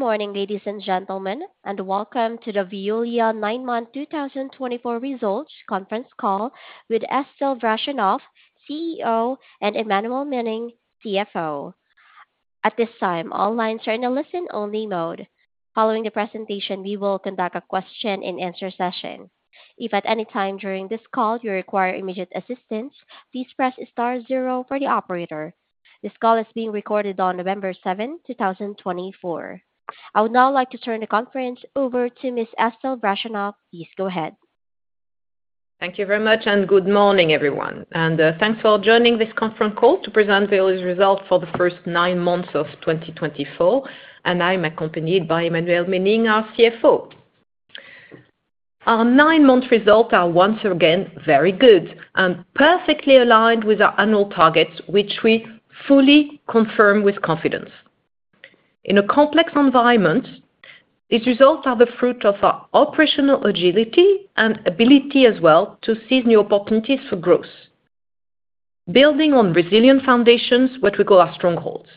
Good morning, ladies and gentlemen, and welcome to the Veolia 9 Month 2024 Results Conference Call with Estelle Brachlianoff, CEO, and Emmanuelle Menning, CFO. At this time, all lines are in a listen-only mode. Following the presentation, we will conduct a question-and-answer session. If at any time during this call you require immediate assistance, please press star zero for the operator. This call is being recorded on November 7th, 2024. I would now like to turn the conference over to Ms. Estelle Brachlianoff. Please go ahead. Thank you very much, and good morning, everyone, and thanks for joining this conference call to present Veolia's results for the first nine months of 2024, and I'm accompanied by Emmanuelle Menning, our CFO. Our nine-month results are once again very good and perfectly aligned with our annual targets, which we fully confirm with confidence. In a complex environment, these results are the fruit of our operational agility and ability as well to seize new opportunities for growth, building on resilient foundations, what we call our strongholds.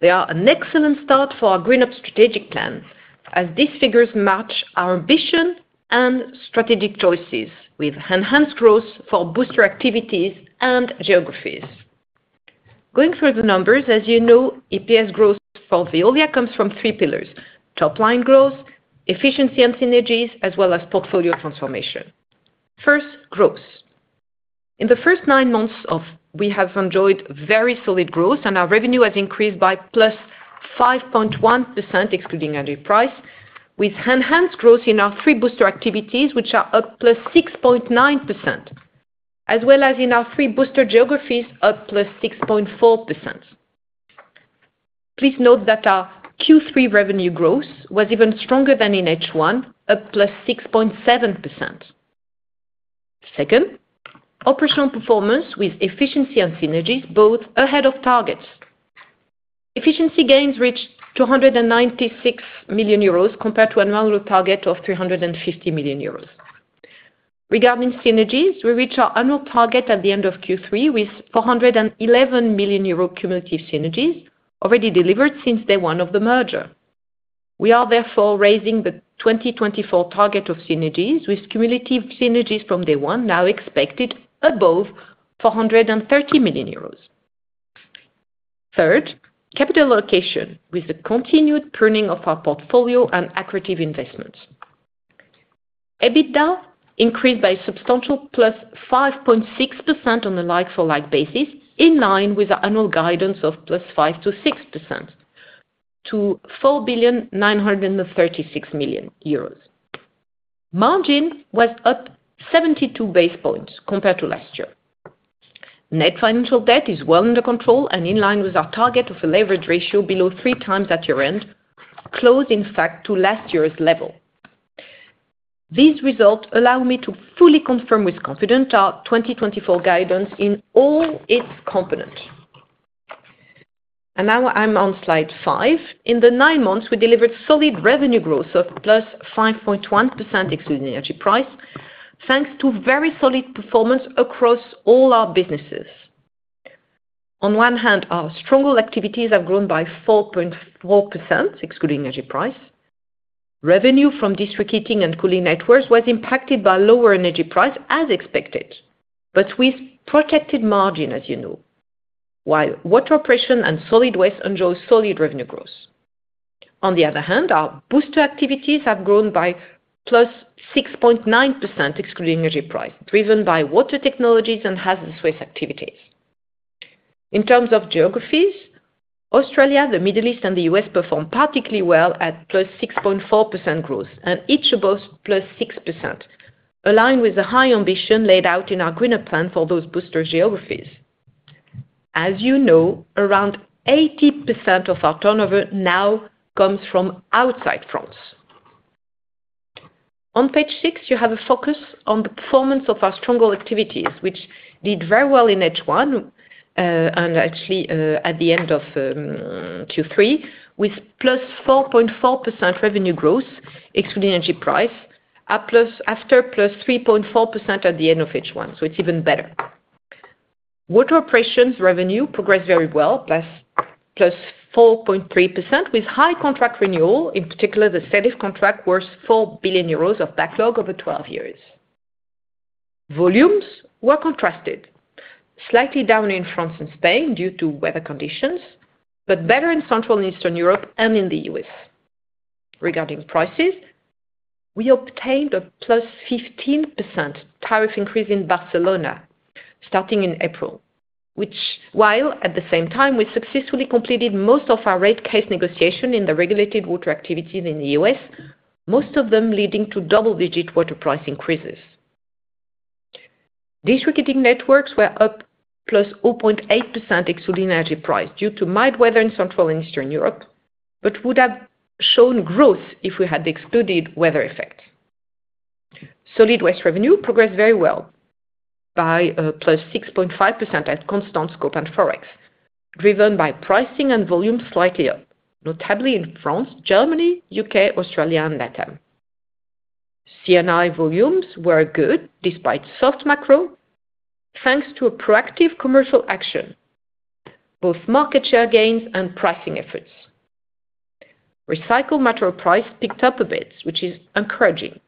They are an excellent start for our GreenUp strategic plan, as these figures match our ambition and strategic choices with enhanced growth for booster activities and geographies. Going through the numbers, as you know, EPS growth for Veolia comes from three pillars: top-line growth, efficiency and synergies, as well as portfolio transformation. First, growth. In the first nine months, we have enjoyed very solid growth, and our revenue has increased by +5.1% excluding any price, with enhanced growth in our three booster activities, which are up +6.9%, as well as in our three booster geographies, up +6.4%. Please note that our Q3 revenue growth was even stronger than in H1, up +6.7%. Second, operational performance with efficiency and synergies, both ahead of targets. Efficiency gains reached 296 million euros compared to an annual target of 350 million euros. Regarding synergies, we reach our annual target at the end of Q3 with 411 million euro cumulative synergies already delivered since day one of the merger. We are therefore raising the 2024 target of synergies, with cumulative synergies from day one now expected above 430 million euros. Third, capital allocation, with the continued pruning of our portfolio and accretive investments. EBITDA increased by substantially +5.6% on a like-for-like basis, in line with our annual guidance of +5-6% to 4,936 million euros. Margin was up 72 basis points compared to last year. Net financial debt is well under control and in line with our target of a leverage ratio below three times at year-end, close, in fact, to last year's level. These results allow me to fully confirm with confidence our 2024 guidance in all its components, and now I'm on slide five. In the nine months, we delivered solid revenue growth of +5.1% excluding energy price, thanks to very solid performance across all our businesses. On one hand, our stronghold activities have grown by 4.4% excluding energy price. Revenue from district heating and cooling networks was impacted by lower energy price, as expected, but with protected margin, as you know, while water operation and solid waste enjoy solid revenue growth. On the other hand, our booster activities have grown by +6.9% excluding energy price, driven by water technologies and hazardous waste activities. In terms of geographies, Australia, the Middle East, and the U.S. performed particularly well at +6.4% growth, and each above +6%, aligned with the high ambition laid out in our GreenUp plan for those booster geographies. As you know, around 80% of our turnover now comes from outside France. On page six, you have a focus on the performance of our stronghold activities, which did very well in H1 and actually at the end of Q3, with +4.4% revenue growth excluding energy price, after +3.4% at the end of H1, so it's even better. Water operations revenue progressed very well, +4.3%, with high contract renewal. In particular, the SEDIF contract was 4 billion euros of backlog over 12 years. Volumes were contrasted, slightly down in France and Spain due to weather conditions, but better in Central and Eastern Europe and in the U.S.. Regarding prices, we obtained a +15% tariff increase in Barcelona starting in April, which, which while at the same time we successfully completed most of our rate case negotiation in the regulated water activities in the U.S., most of them leading to double-digit water price increases. District heating networks were up +0.8% excluding energy price due to mild weather in Central and Eastern Europe, but would have shown growth if we had excluded weather effects. Solid waste revenue progressed very well, by +6.5% at constant scope and forex, driven by pricing and volume slightly up, notably in France, Germany, U.K., Australia, and LatAm. C&I volumes were good despite soft macro, thanks to a proactive commercial action, both market share gains and pricing efforts. Recycled material price picked up a bit, which is encouraging.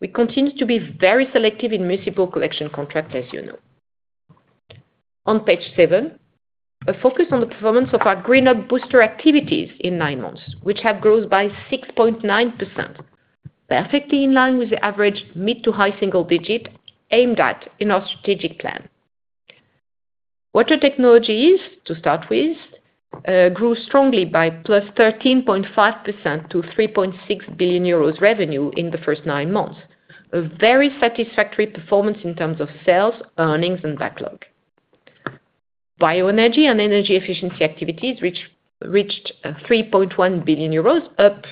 We continue to be very selective in municipal collection contracts, as you know. On page seven, a focus on the performance of our GreenUp booster activities in nine months, which have grown by 6.9%, perfectly in line with the average mid to high single digit aimed at in our strategic plan. Water Technologies, to start with, grew strongly by +13.5% to 3.6 billion euros revenue in the first nine months, a very satisfactory performance in terms of sales, earnings, and backlog. Bioenergy and energy efficiency activities reached 3.1 billion euros, up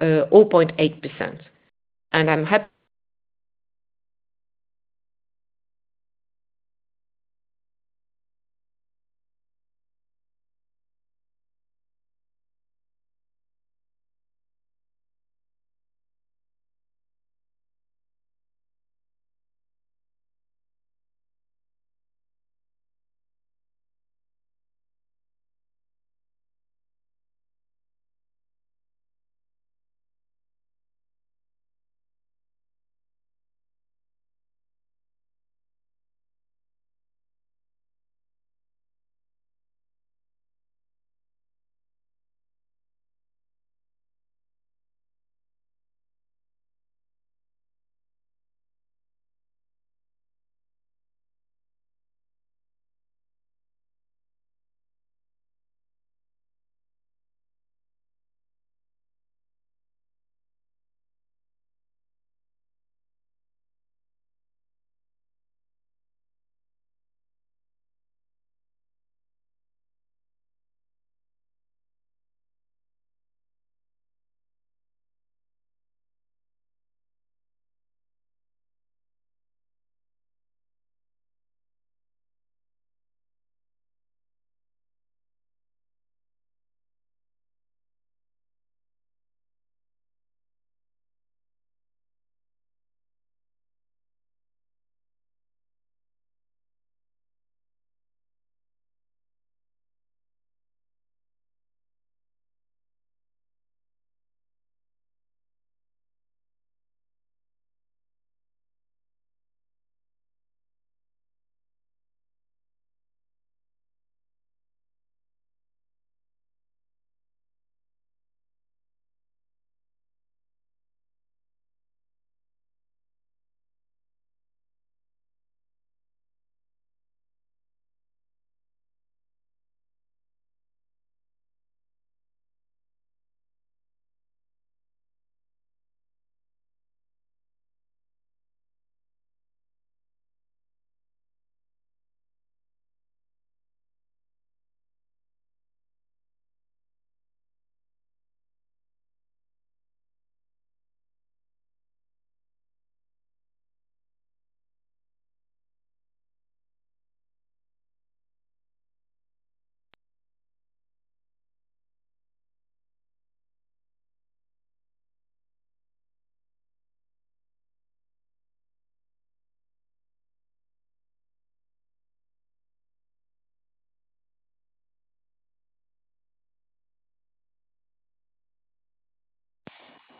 0.8%, and I'm happy.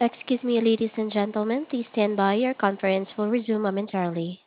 Excuse me, ladies and gentlemen, please stand by. Our conference will resume momentarily.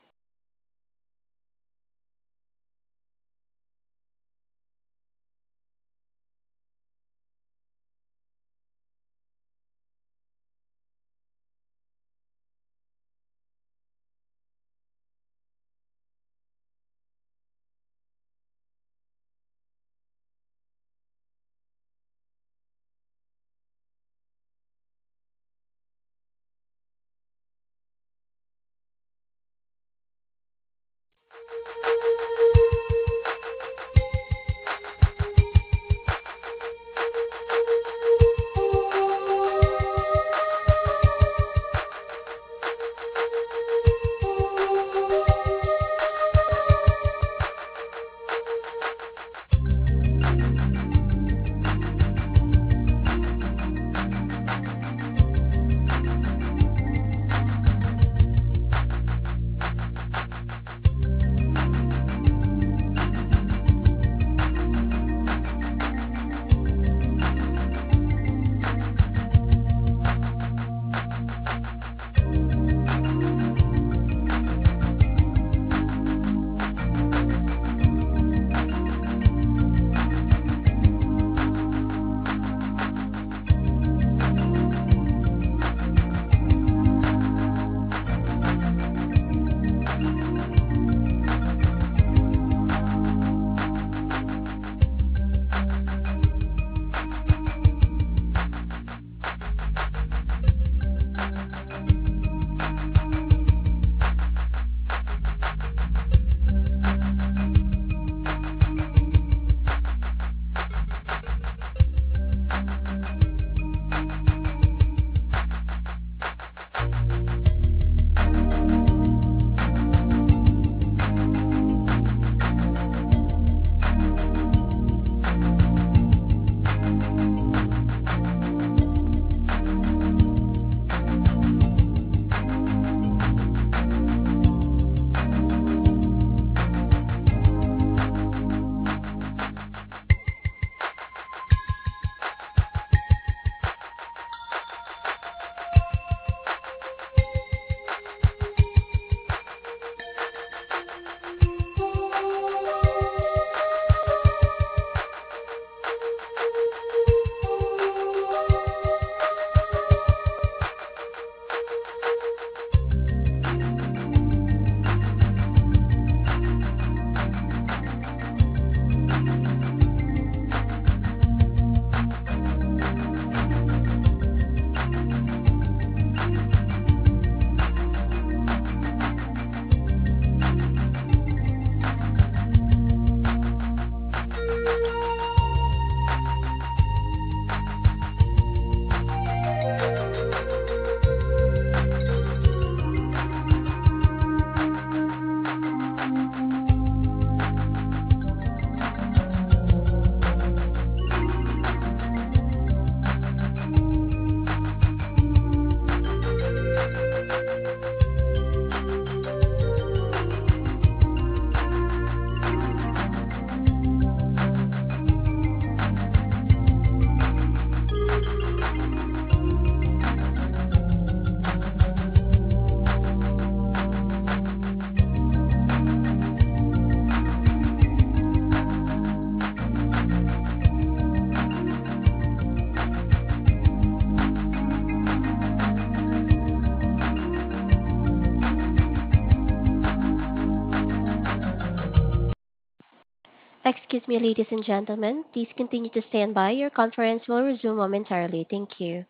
Excuse me, ladies and gentlemen, please continue to stand by. Your conference will resume momentarily. Thank you.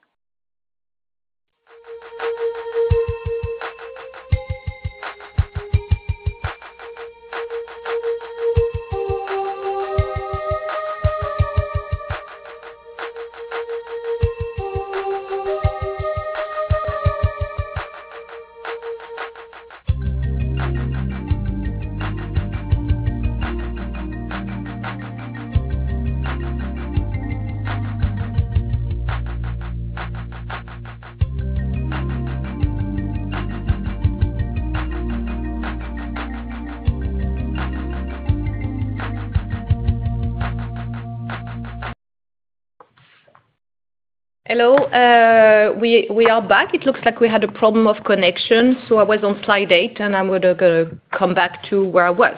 Hello. We are back. It looks like we had a problem of connection, so I was on slide eight, and I'm gonna come back to where I was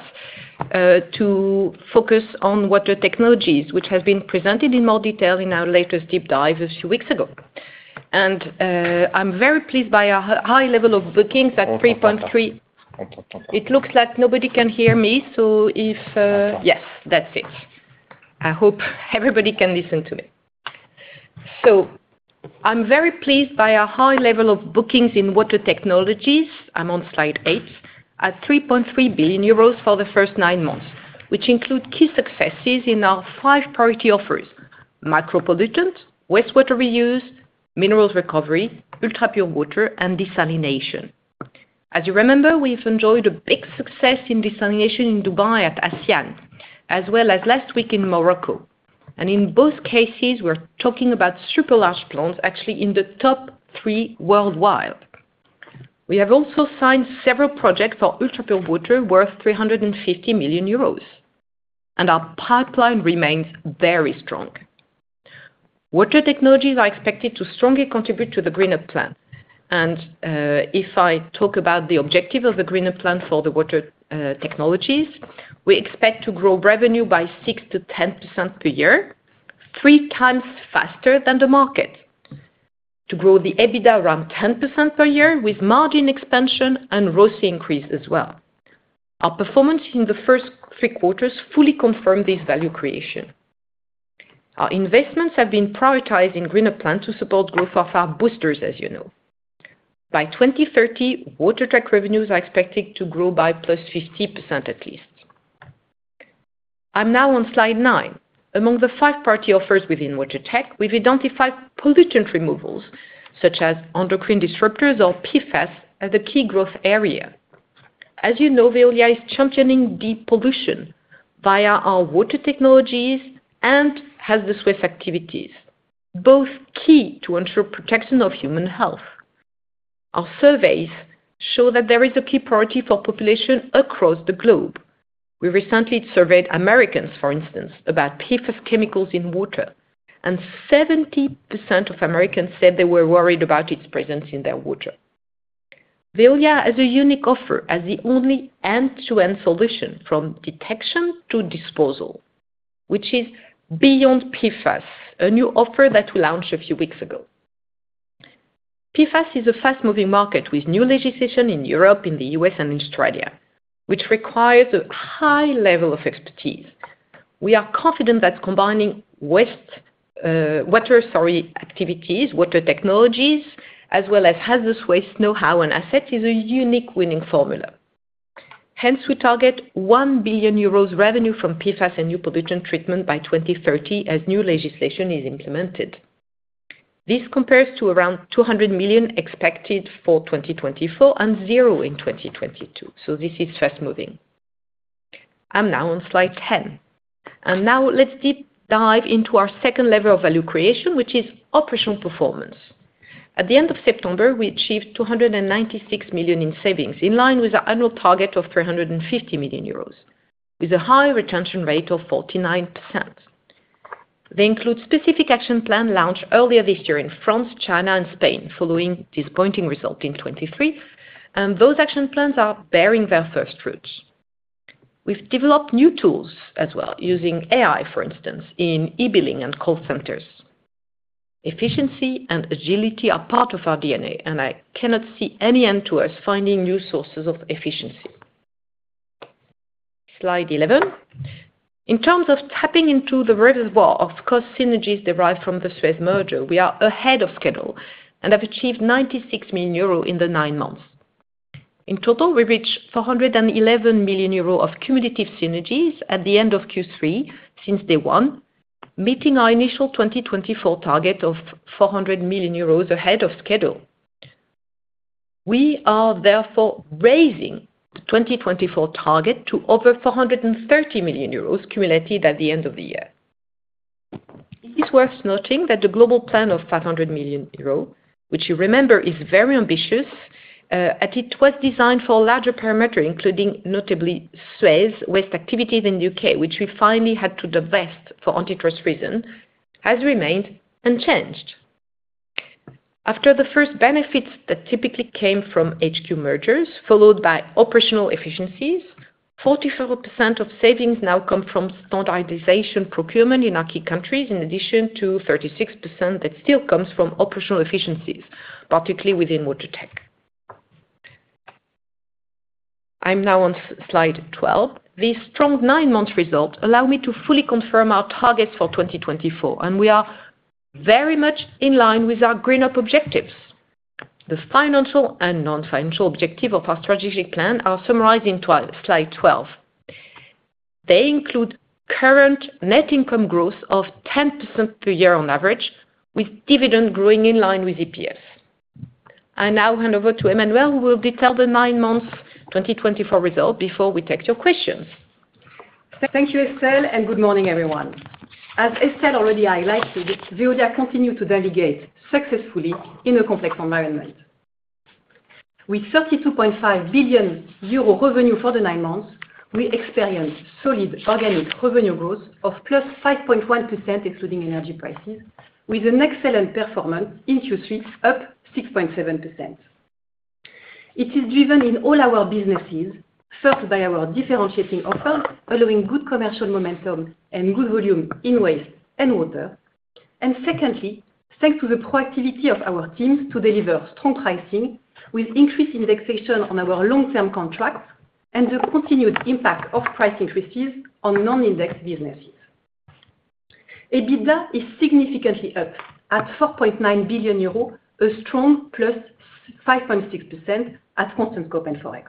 to focus on Water Technologies, which has been presented in more detail in our latest deep dive a few weeks ago, and I'm very pleased by our high level of bookings at 3.3. It looks like nobody can hear me, so if yes, that's it. I hope everybody can listen to me. So I'm very pleased by our high level of bookings in water technologies. I'm on slide eight at 3.3 billion euros for the first nine months, which include key successes in our five priority offers: micropollutants, wastewater reuse, minerals recovery, ultra-pure water, and desalination. As you remember, we've enjoyed a big success in desalination in Dubai at Hassyan, as well as last week in Morocco. And in both cases, we're talking about super-large plants, actually in the top three worldwide. We have also signed several projects for ultra-pure water worth 350 million euros, and our pipeline remains very strong. Water technologies are expected to strongly contribute to the GreenUp plan. And if I talk about the objective of the GreenUp plan for the water technologies, we expect to grow revenue by 6%-10% per year, three times faster than the market, to grow the EBITDA around 10% per year with margin expansion and ROCE increase as well. Our performance in the first three quarters fully confirmed this value creation. Our investments have been prioritized in GreenUp plan to support growth of our boosters, as you know. By 2030, water tech revenues are expected to grow by +15% at least. I'm now on slide nine. Among the five priority offers within water tech, we've identified pollutant removals such as endocrine disruptors or PFAS as a key growth area. As you know, Veolia is championing deep depollution via our water technologies and hazardous waste activities, both key to ensure protection of human health. Our surveys show that there is a key priority for population across the globe. We recently surveyed Americans, for instance, about PFAS chemicals in water, and 70% of Americans said they were worried about its presence in their water. Veolia has a unique offer as the only end-to-end solution from detection to disposal, which is beyond PFAS, a new offer that we launched a few weeks ago. PFAS is a fast-moving market with new legislation in Europe, in the U.S., and in Australia, which requires a high level of expertise. We are confident that combining waste water sorry activities, water technologies, as well as hazardous waste know-how and assets is a unique winning formula. Hence, we target 1 billion euros revenue from PFAS and new pollutant treatment by 2030 as new legislation is implemented. This compares to around 200 million expected for 2024 and zero in 2022, so this is fast-moving. I'm now on slide 10. And now let's deep dive into our second level of value creation, which is operational performance. At the end of September, we achieved 296 million in savings in line with our annual target of 350 million euros, with a high retention rate of 49%. They include specific action plans launched earlier this year in France, China, and Spain, following disappointing results in 2023. And those action plans are bearing their first fruits. We've developed new tools as well, using AI, for instance, in e-billing and call centers. Efficiency and agility are part of our DNA, and I cannot see any end to us finding new sources of efficiency. Slide 11. In terms of tapping into the reservoir of cost synergies derived from the Suez merger, we are ahead of schedule and have achieved 96 million euros in the nine months. In total, we reached 411 million euros of cumulative synergies at the end of Q3 since day one, meeting our initial 2024 target of 400 million euros ahead of schedule. We are therefore raising the 2024 target to over 430 million euros cumulated at the end of the year. It's worth noting that the global plan of 500 million euros, which you remember is very ambitious, as it was designed for a larger perimeter, including notably Suez waste activities in the U.K., which we finally had to divest for antitrust reasons, has remained unchanged. After the first benefits that typically came from HQ mergers, followed by operational efficiencies, 44% of savings now come from standardization procurement in our key countries, in addition to 36% that still comes from operational efficiencies, particularly within water tech. I'm now on slide 12. These strong nine-month results allow me to fully confirm our targets for 2024, and we are very much in line with our GreenUp objectives. The financial and non-financial objectives of our strategic plan are summarized in slide 12. They include current net income growth of 10% per year on average, with dividend growing in line with EPS. I now hand over to Emmanuelle, who will detail the nine-month 2024 result before we take your questions. Thank you, Estelle, and good morning, everyone. As Estelle already highlighted, Veolia continues to navigate successfully in a complex environment. With 32.5 billion euro revenue for the nine months, we experience solid organic revenue growth of 5.1%, excluding energy prices, with an excellent performance in Q3, up 6.7%. It is driven in all our businesses, first by our differentiating offers, allowing good commercial momentum and good volume in waste and water. And secondly, thanks to the proactivity of our teams to deliver strong pricing with increased indexation on our long-term contracts and the continued impact of price increases on non-indexed businesses. EBITDA is significantly up at 4.9 billion euros, a strong +5.6% at constant scope and forex.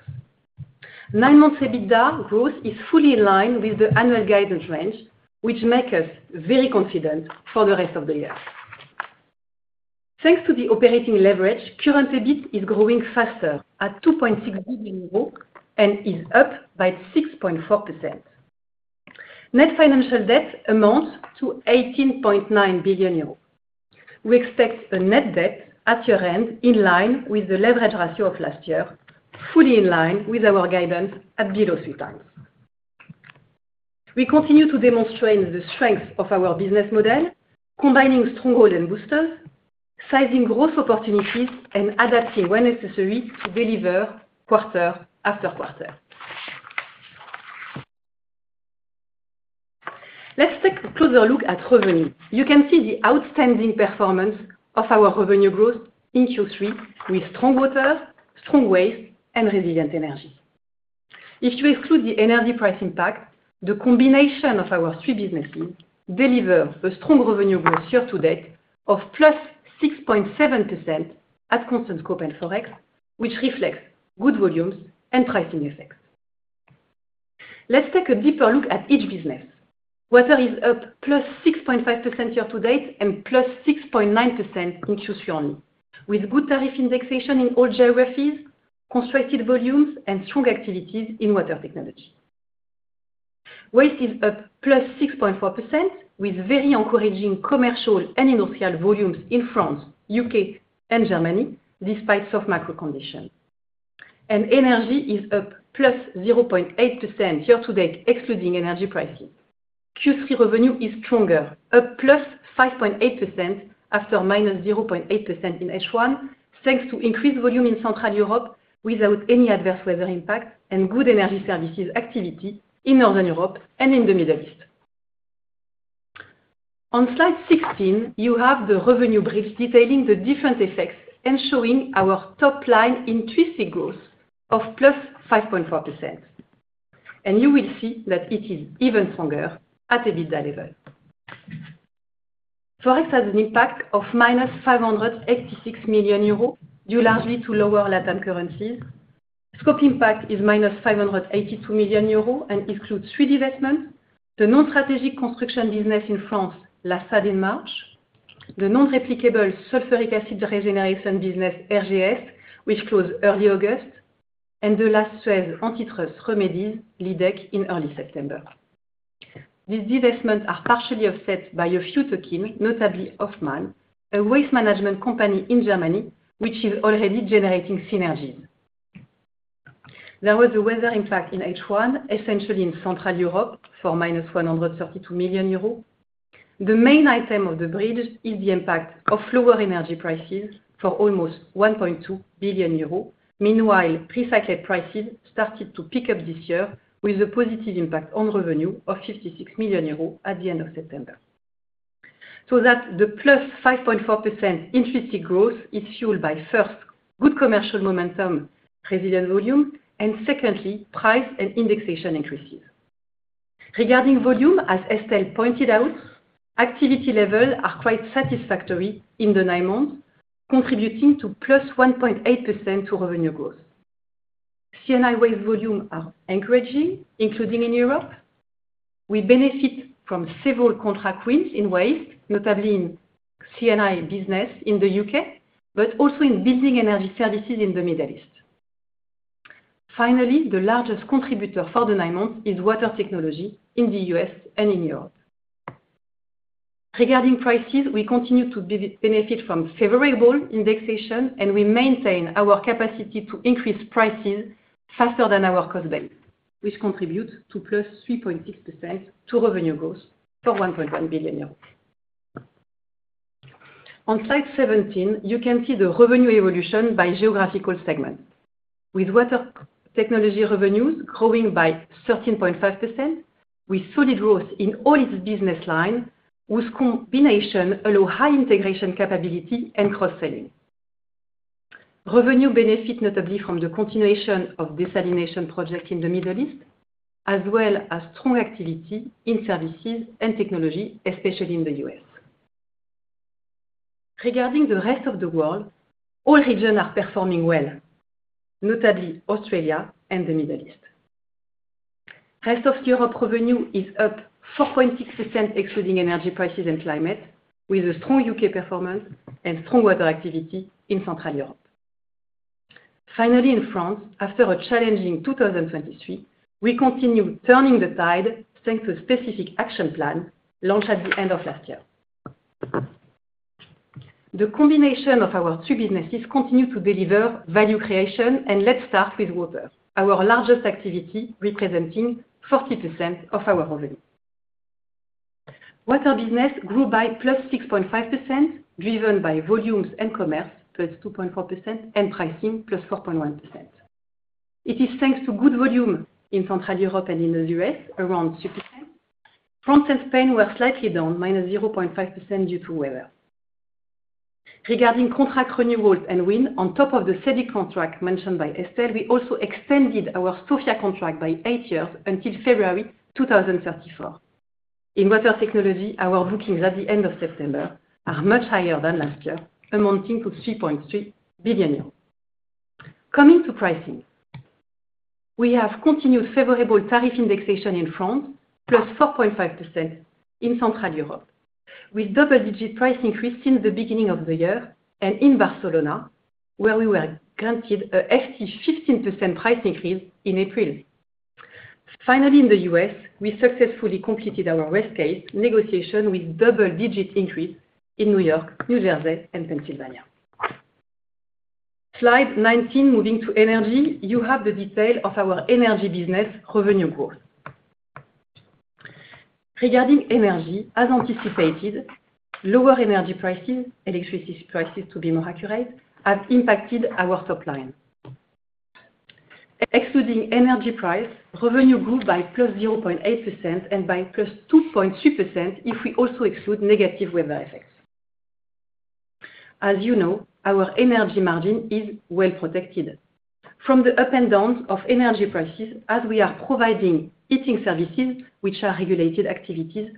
Nine-month EBITDA growth is fully in line with the annual guidance range, which makes us very confident for the rest of the year. Thanks to the operating leverage, current EBIT is growing faster at 2.6 billion euros and is up by 6.4%. Net financial debt amounts to 18.9 billion euros. We expect a net debt at year-end in line with the leverage ratio of last year, fully in line with our guidance at below three times. We continue to demonstrate the strength of our business model, combining stronghold and boosters, seizing growth opportunities, and adapting when necessary to deliver quarter after quarter. Let's take a closer look at revenue. You can see the outstanding performance of our revenue growth in Q3 with strong water, strong waste, and resilient energy. If you exclude the energy price impact, the combination of our three businesses delivers a strong revenue growth year-to-date of +6.7% at constant scope and forex, which reflects good volumes and pricing effects. Let's take a deeper look at each business. Water is up +6.5% year-to-date and +6.9% in Q3 only, with good tariff indexation in all geographies, consistent volumes, and strong activities in water technology. Waste is up +6.4%, with very encouraging commercial and industrial volumes in France, U.K., and Germany, despite soft macro conditions, and energy is up +0.8% year-to-date, excluding energy pricing. Q3 revenue is stronger, up +5.8% after –0.8% in H1, thanks to increased volume in Central Europe without any adverse weather impact and good energy services activity in Northern Europe and in the Middle East. On slide 16, you have the revenue bridge detailing the different effects and showing our top-line intrinsic growth of +5.4%. And you will see that it is even stronger at EBITDA level. Forex has an impact of –586 million euro due largely to lower Latin currencies. Scope impact is –582 million euro and includes three divestments: the non-strategic construction business in France, SADE in March. The non-replicable sulfuric acid regeneration business, RGS, which closed early August. And the last Suez antitrust remedies, Lydec, in early September. These divestments are partially offset by your, notably Hofmann, a waste management company in Germany, which is already generating synergies. There was a weather impact in H1, essentially in Central Europe, for -132 million euros. The main item of the bridge is the impact of lower energy prices for almost 1.2 billion euros. Meanwhile, recycled prices started to pick up this year, with a positive impact on revenue of 56 million euros at the end of September. So that the +5.4% intrinsic growth is fueled by, first, good commercial momentum, resilient volume, and secondly, price and indexation increases. Regarding volume, as Estelle pointed out, activity levels are quite satisfactory in the nine months, contributing to +1.8% to revenue growth. C&I waste volumes are encouraging, including in Europe. We benefit from several contract wins in waste, notably in C&I business in the U.K., but also in building energy services in the Middle East. Finally, the largest contributor for the nine months is water technology in the U.S. and in Europe. Regarding prices, we continue to benefit from favorable indexation, and we maintain our capacity to increase prices faster than our cost base, which contributes to +3.6% to revenue growth for 1.1 billion euros. On slide 17, you can see the revenue evolution by geographical segment, with water technology revenues growing by 13.5%, with solid growth in all its business lines, whose combination allows high integration capability and cross-selling. Revenue benefits notably from the continuation of desalination projects in the Middle East, as well as strong activity in services and technology, especially in the U.S.. Regarding the rest of the world, all regions are performing well, notably Australia and the Middle East. Rest of Europe revenue is up 4.6%, excluding energy prices and climate, with a strong U.K. performance and strong water activity in Central Europe. Finally, in France, after a challenging 2023, we continue turning the tide thanks to a specific action plan launched at the end of last year. The combination of our two businesses continues to deliver value creation, and let's start with water, our largest activity, representing 40% of our revenue. Water business grew by +6.5%, driven by volumes and commerce, +2.4%, and pricing, +4.1%. It is thanks to good volume in Central Europe and in the U.S., around 2%. France and Spain were slightly down, -0.5%, due to weather. Regarding contract renewals and win, on top of the SEDIF contract mentioned by Estelle, we also extended our Sofia contract by eight years until February 2034. In water technology, our bookings at the end of September are much higher than last year, amounting to 3.3 billion euros. Coming to pricing, we have continued favorable tariff indexation in France, +4.5% in Central Europe, with double-digit price increase since the beginning of the year, and in Barcelona, where we were granted a 15% price increase in April. Finally, in the U.S., we successfully completed our West Coast negotiation with double-digit increase in New York, New Jersey, and Pennsylvania. Slide 19, moving to energy, you have the detail of our energy business revenue growth. Regarding energy, as anticipated, lower energy prices, electricity prices, to be more accurate, have impacted our top line. Excluding energy price, revenue grew by +0.8% and by +2.2% if we also exclude negative weather effects. As you know, our energy margin is well protected. From the ups and downs of energy prices, as we are providing heating services, which are regulated activities,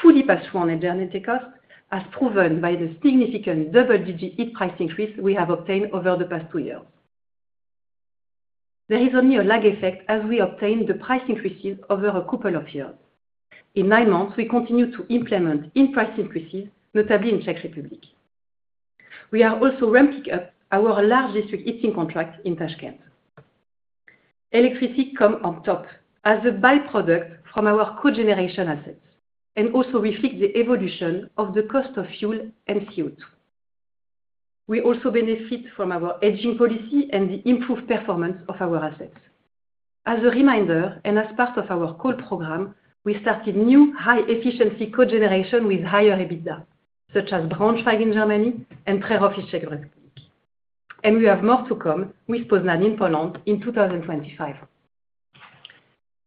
fully passed through on energy costs, as proven by the significant double-digit heat price increase we have obtained over the past two years. There is only a lag effect as we obtain the price increases over a couple of years. In nine months, we continue to implement in price increases, notably in the Czech Republic. We are also ramping up our large district heating contract in Tashkent. Electricity comes on top as a byproduct from our cogeneration assets, and also we hedge the evolution of the cost of fuel and CO2. We also benefit from our hedging policy and the improved performance of our assets. As a reminder, and as part of our core program, we started new high-efficiency cogeneration with higher EBITDA, such as Braunschweig in Germany and Přívoz in the Czech Republic. And we have more to come with Poznań in Poland in 2025.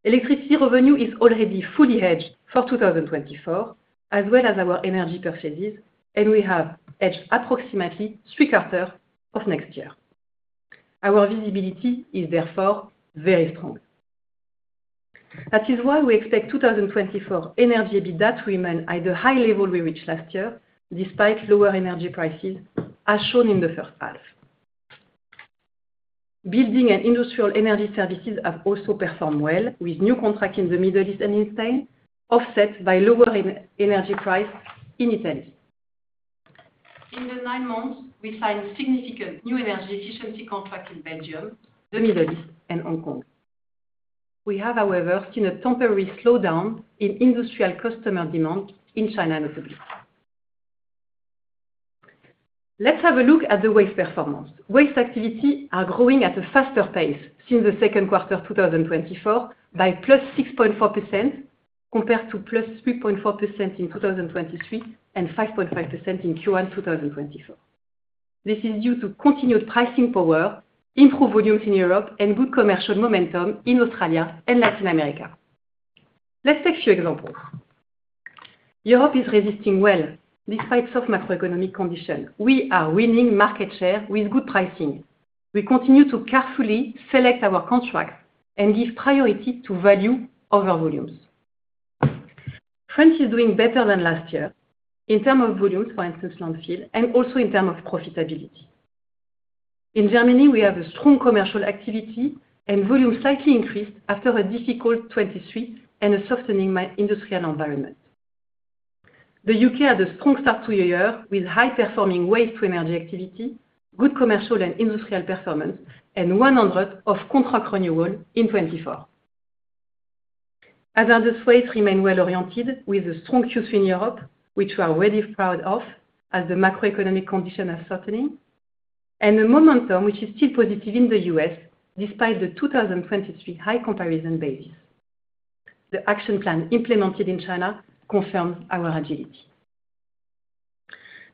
Electricity revenue is already fully hedged for 2024, as well as our energy purchases, and we have hedged approximately three quarters of next year. Our visibility is therefore very strong. That is why we expect 2024 energy EBITDA to remain at the high level we reached last year, despite lower energy prices, as shown in the first half. Building and industrial energy services have also performed well, with new contracts in the Middle East and in Spain, offset by lower energy prices in Italy. In the nine months, we signed significant new energy efficiency contracts in Belgium, the Middle East, and Hong Kong. We have, however, seen a temporary slowdown in industrial customer demand in China and the public. Let's have a look at the waste performance. Waste activities are growing at a faster pace since the second quarter of 2024, by +6.4%, compared to +3.4% in 2023 and 5.5% in Q1 2024. This is due to continued pricing power, improved volumes in Europe, and good commercial momentum in Australia and Latin America. Let's take a few examples. Europe is resisting well despite soft macroeconomic conditions. We are winning market share with good pricing. We continue to carefully select our contracts and give priority to value over volumes. France is doing better than last year in terms of volumes, for instance, landfill, and also in terms of profitability. In Germany, we have a strong commercial activity and volume slightly increased after a difficult 2023 and a softening industrial environment. The U.K. had a strong start to the year with high-performing waste-to-energy activity, good commercial and industrial performance, and 100% of contract renewal in 2024. As our disposals remain well oriented with a strong Q3 in Europe, which we are really proud of as the macroeconomic condition is softening, and the momentum, which is still positive in the U.S. despite the 2023 high comparison basis. The action plan implemented in China confirms our agility.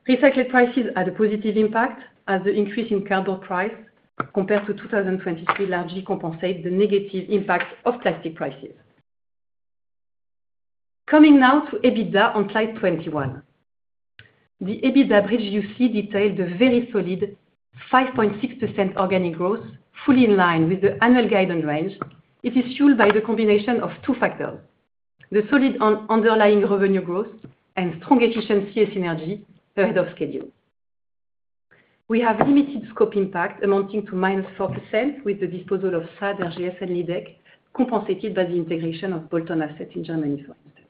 Recycled prices had a positive impact as the increase in carbon price compared to 2023 largely compensates the negative impact of plastic prices. Coming now to EBITDA on slide 21. The EBITDA bridge you see detailed a very solid 5.6% organic growth, fully in line with the annual guidance range. It is fueled by the combination of two factors: the solid underlying revenue growth and strong efficiency gains in energy ahead of schedule. We have limited scope impact amounting to -4% with the disposal of SADE, RGS, and LIDEC, compensated by the integration of Hoffmann assets in Germany, for instance.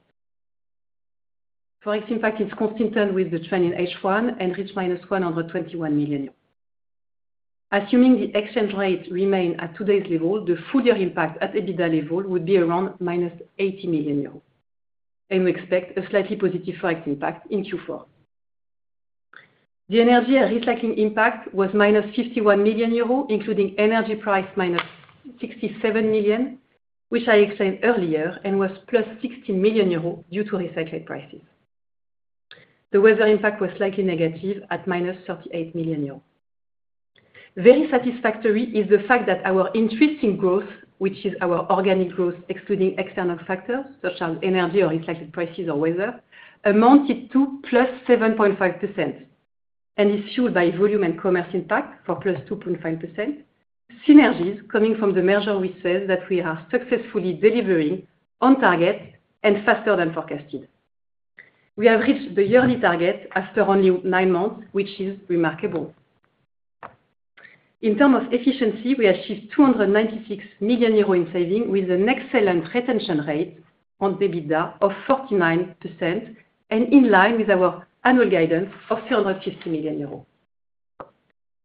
Forex impact is consistent with the trend in H1 and reached -121 million. Assuming the exchange rates to remain at today's level, the full-year impact at EBITDA level would be around -80 million euros, and we expect a slightly positive forex impact in Q4. The energy and recycling impact was-EUR 51 million, including energy price -67 million, which I explained earlier, and was + 16 million euros due to recycled prices. The weather impact was slightly negative at -38 million euros. Very satisfactory is the fact that our intrinsic growth, which is our organic growth, excluding external factors such as energy or recycled prices or weather, amounted to +7.5%, and is fueled by volume and commerce impact for +2.5%, synergies coming from the merger results that we are successfully delivering on target and faster than forecasted. We have reached the yearly target after only nine months, which is remarkable. In terms of efficiency, we achieved 296 million euros in savings with an excellent retention rate on EBITDA of 49%, and in line with our annual guidance of 350 million euros.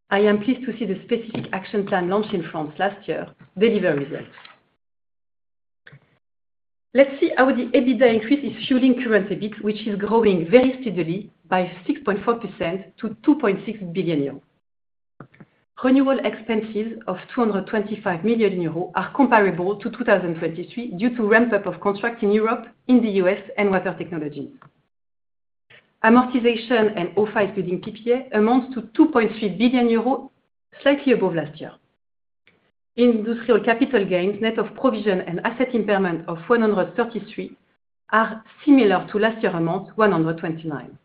I am pleased to see the specific action plan launched in France last year deliver results. Let's see how the EBITDA increase is fueling current EBIT, which is growing very steadily by 6.4% to 2.6 billion euros. Renewal expenses of 225 million euros are comparable to 2023 due to ramp-up of contract in Europe, in the U.S., and water technologies. Amortization and OFA excluding PPA amounts to 2.3 billion euros, slightly above last year. Industrial capital gains, net of provision and asset impairment of 133 million, are similar to last year amount, 129 million.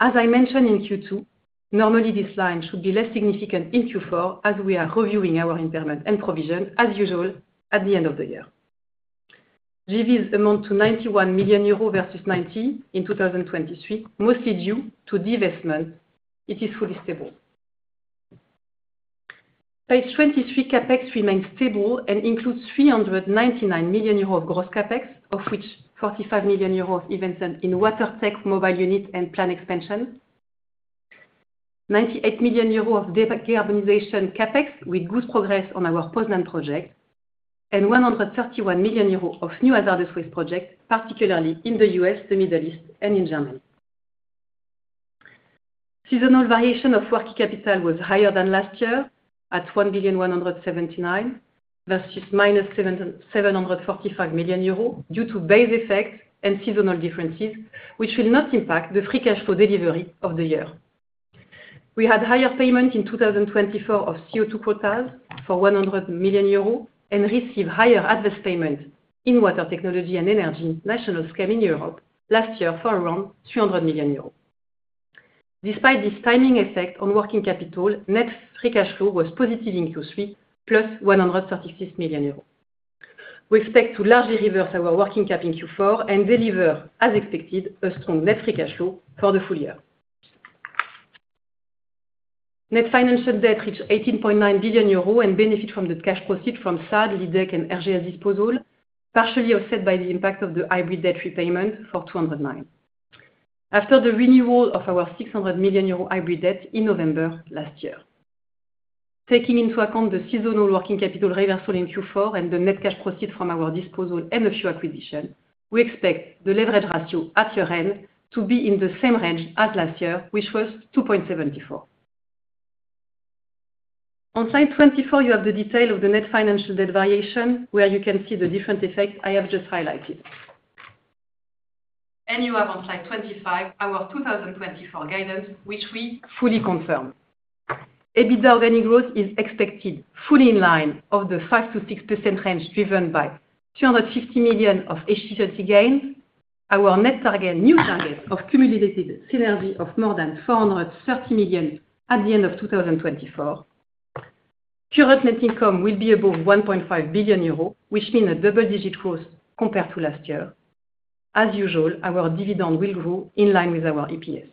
As I mentioned in Q2, normally this line should be less significant in Q4, as we are reviewing our impairment and provision as usual at the end of the year. JVs amount to 91 million euros versus 90 million in 2023, mostly due to de-investment. It is fully stable. Phase 23 CapEx remains stable and includes 399 million euros of gross CapEx, of which 45 million euros is invested in water tech, mobile unit, and plan expansion, 98 million euros of decarbonization CapEx with good progress on our Poznań project, and 131 million euros of new hazardous waste projects, particularly in the U.S., the Middle East, and in Germany. Seasonal variation of working capital was higher than last year at 1,179 million euro versus -745 million euros due to base effects and seasonal differences, which will not impact the free cash flow delivery of the year. We had higher payment in 2024 of CO2 quotas for 100 million euros and received higher advance payment in water technology and energy national scale in Europe last year for around 300 million euros. Despite this timing effect on working capital, net free cash flow was positive in Q3, + 136 million euros. We expect to largely reverse our working cap in Q4 and deliver, as expected, a strong net free cash flow for the full year. Net financial debt reached 18.9 billion euro and benefits from the cash proceeds from SADE, LIDEC, and RGS disposal, partially offset by the impact of the hybrid debt repayment for 209 million, after the renewal of our 600 million euro hybrid debt in November last year. Taking into account the seasonal working capital reversal in Q4 and the net cash proceeds from our disposal and a few acquisitions, we expect the leverage ratio at year-end to be in the same range as last year, which was 2.74. On slide 24, you have the detail of the net financial debt variation, where you can see the different effects I have just highlighted. And you have on slide 25 our 2024 guidance, which we fully confirm. EBITDA organic growth is expected fully in line of the 5%-6% range driven by 250 million of efficiency gains, our new target of cumulative synergy of more than 430 million at the end of 2024. Current net income will be above 1.5 billion euros, which means a double-digit growth compared to last year. As usual, our dividend will grow in line with our EPS.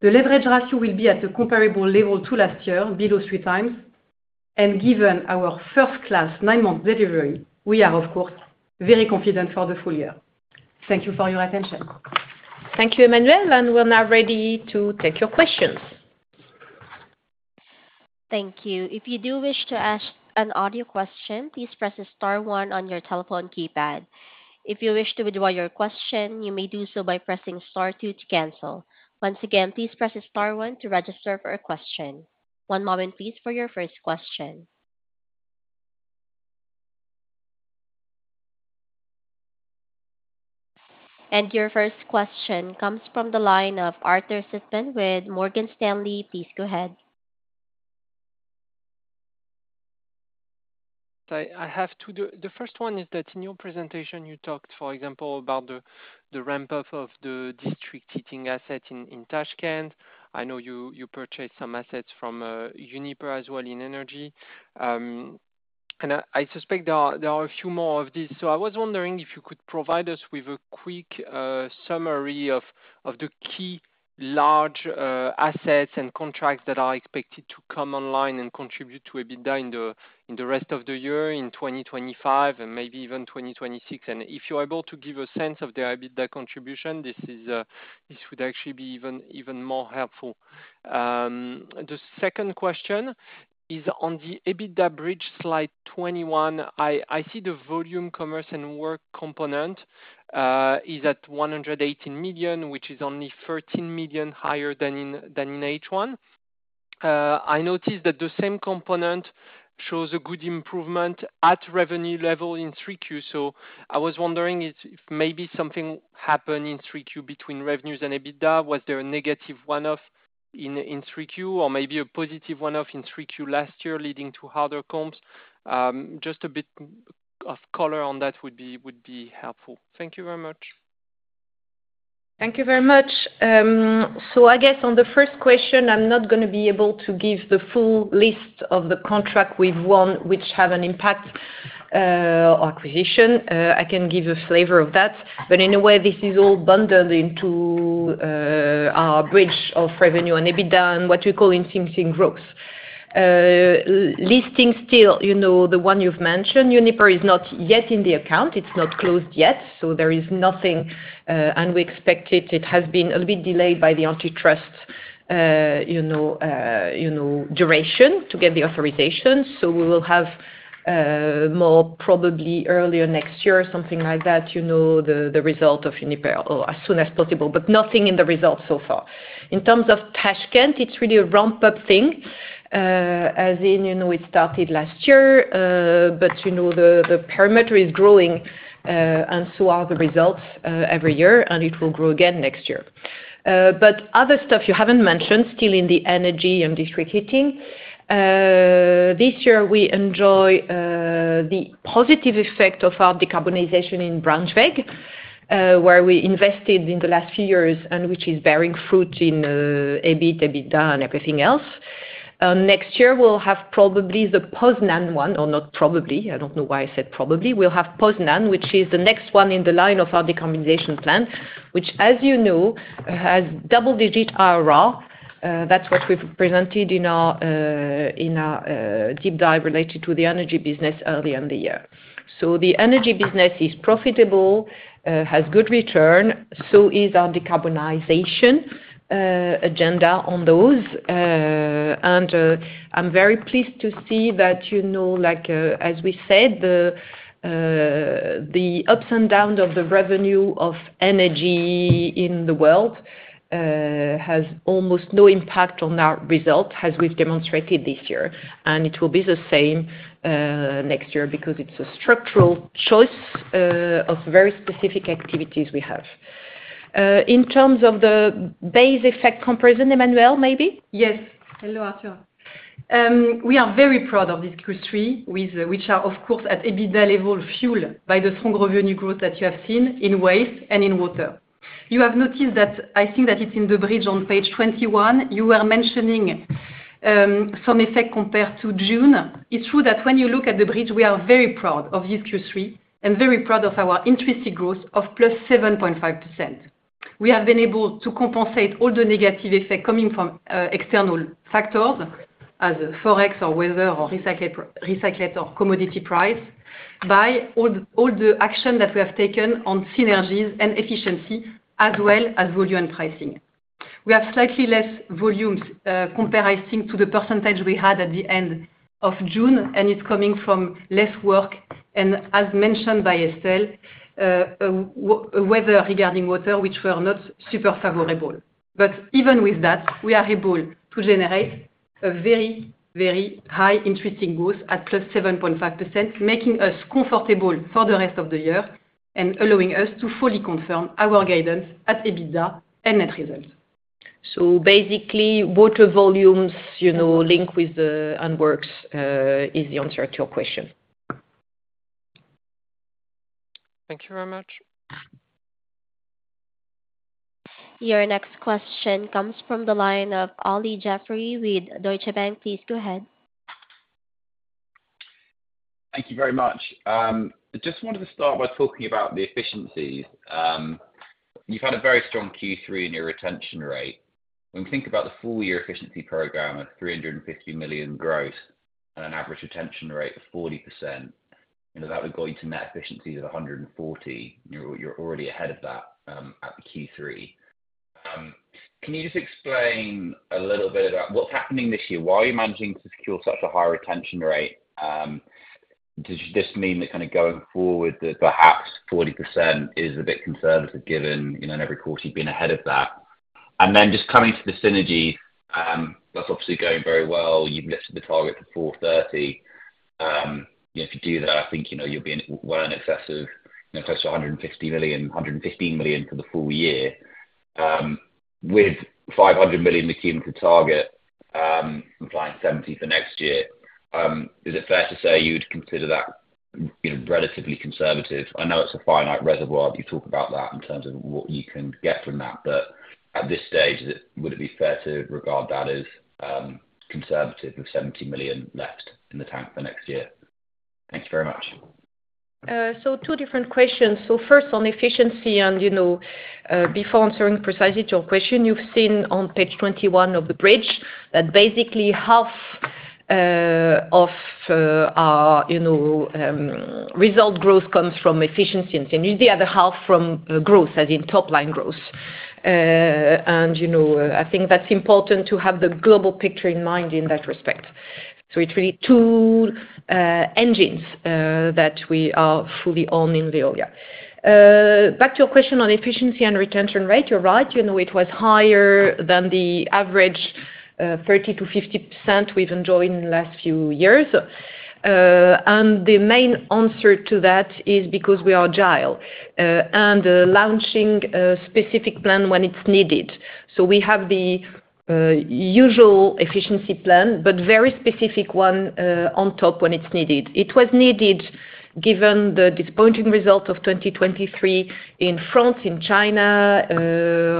The leverage ratio will be at a comparable level to last year, below three times, and given our first-class nine-month delivery, we are, of course, very confident for the full year. Thank you for your attention. Thank you, Emmanuelle, and we're now ready to take your questions. Thank you. If you do wish to ask an audio question, please press the star one on your telephone keypad. If you wish to withdraw your question, you may do so by pressing star two to cancel. Once again, please press the star one to register for a question. One moment, please, for your first question. And your first question comes from the line of Arthur Sitbon with Morgan Stanley. Please go ahead. I have two there. The first one is that in your presentation, you talked, for example, about the the ramp-up of the district heating assets in Tashkent. I know you you purchased some assets from Uniper as well in energy. And I suspect there are there are a few more of these. So I was wondering if you could provide us with a quick summary of of the key large assets and contracts that are expected to come online and contribute to EBITDA in the in the rest of the year in 2025 and maybe even 2026. And if you're able to give a sense of their EBITDA contribution, this is this would actually be even more helpful. The second question is on the EBITDA bridge slide 21. I see the volume commerce and work component is at 118 million, which is only 13 million higher than in than in H1. I noticed that the same component shows a good improvement at revenue level in 3Q. So I was wondering if maybe something happened in 3Q between revenues and EBITDA. Was there a negative one-off in 3Q or maybe a positive one-off in 3Q last year leading to harder comps? Just a bit of color on that would be would be helpful. Thank you very much. Thank you very much. So I guess on the first question, I'm not gonna be able to give the full list of the contracts we have won which have an impact on acquisitions. I can give a flavor of that, but in a way, this is all bundled into our bridge of revenue and EBITDA and what we call intimacy and growth. Listing still, you know the one you've mentioned, Uniper is not yet in the account. It's not closed yet, so there is nothing and we expect it has been a bit delayed by the antitrust you know you know duration to get the authorization, so we will have more probably earlier next year, something like that, you know the result of Uniper. So that possible, but nothing in the result so far. In terms of Tashkent, it's really a ramp-up thing, as in we started last year, but you know the perimeter is growing, and so are the results every year, and it will grow again next year, but other stuff you haven't mentioned still in the energy and district heating. This year, we enjoy the positive effect of our decarbonization in Braunschweig, where we invested in the last few years and which is bearing fruit in EBIT, EBITDA, and everything else. Next year, we'll have probably the Poznań one, or not probably. I don't know why I said probably. We'll have Poznań, which is the next one in the line of our decarbonization plan, which, as you know, has double-digit IRR. That's what we've presented in our in our deep dive related to the energy business earlier in the year. So the energy business is profitable, has good return. So is our decarbonization agenda on those. And I'm very pleased to see that, you know as we said, the the ups and downs of the revenue of energy in the world has almost no impact on our result, as we've demonstrated this year. And it will be the same next year because it's a structural choice of very specific activities we have. In terms of the base effect comparison, Emmanuelle, maybe? Yes. Hello, Arthur. We are very proud of this Q3, which are, of course, at EBITDA level fueled by the strong revenue growth that you have seen in waste and in water. You have noticed that I think that it's in the bridge on page 21. You were mentioning some effect compared to June. It's true that when you look at the bridge, we are very proud of this Q3 and very proud of our intrinsic growth of +7.5%. We have been able to compensate all the negative effects coming from external factors as forex or weather or recycled or commodity price by all the action that we have taken on synergies and efficiency, as well as volume and pricing. We have slightly less volumes compared, I think, to the percentage we had at the end of June, and it's coming from less work and, as mentioned by Estelle, weather regarding water, which were not super favorable. But even with that, we are able to generate a very, very high intrinsic growth at 7.5%, making us comfortable for the rest of the year and allowing us to fully confirm our guidance at EBITDA and net results. So basically, water volumes you know link with the work is the answer to your question. Thank you very much. Your next question comes from the line of Olly Jeffery with Deutsche Bank. Please go ahead. Thank you very much. I just wanted to start by talking about the efficiencies. You've had a very strong Q3 in your retention rate. When we think about the full-year efficiency program of 350 million gross and an average retention rate of 40%, you know that would go into net efficiency of 140 million. You're already ahead of that at Q3. Can you just explain a little bit about what's happening this year? Why are you managing to secure such a high retention rate? Does this mean that kind of going forward, that perhaps 40% is a bit conservative given in in every quarter you've been ahead of that? And then just coming to the synergies, that's obviously going very well. You've lifted the target to 430 million. If you do that, thinking you know you have been well in excess of 150 million 115 million for the full year. With 500 million accumulated target, complying 70 million for next year, is it fair to say you would consider that you know relatively conservative? I know it's a finite reservoir, but you talk about that in terms of what you can get from that, but at this stage, would it be fair to regard that as conservative with 70 million left in the tank for next year? Thank you very much. So two different questions, so first, on efficiency, you know before answering precisely to your question, you've seen on page 21 of the bridge that basically half of our you know result growth comes from efficiency and synergy. and the half from growth, as in top-line growth, and you know I think that's important to have the global picture in mind in that respect, so it's really two engines that we are fully on in Veolia. Back to your question on efficiency and retention rate, you're right. It was higher than the average 30%-50% we've enjoyed in the last few years. And the main answer to that is because we are agile and launching a specific plan when it's needed. So we have the usual efficiency plan, but a very specific one on top when it's needed. It was needed given the disappointing result of 2023 in France, in China,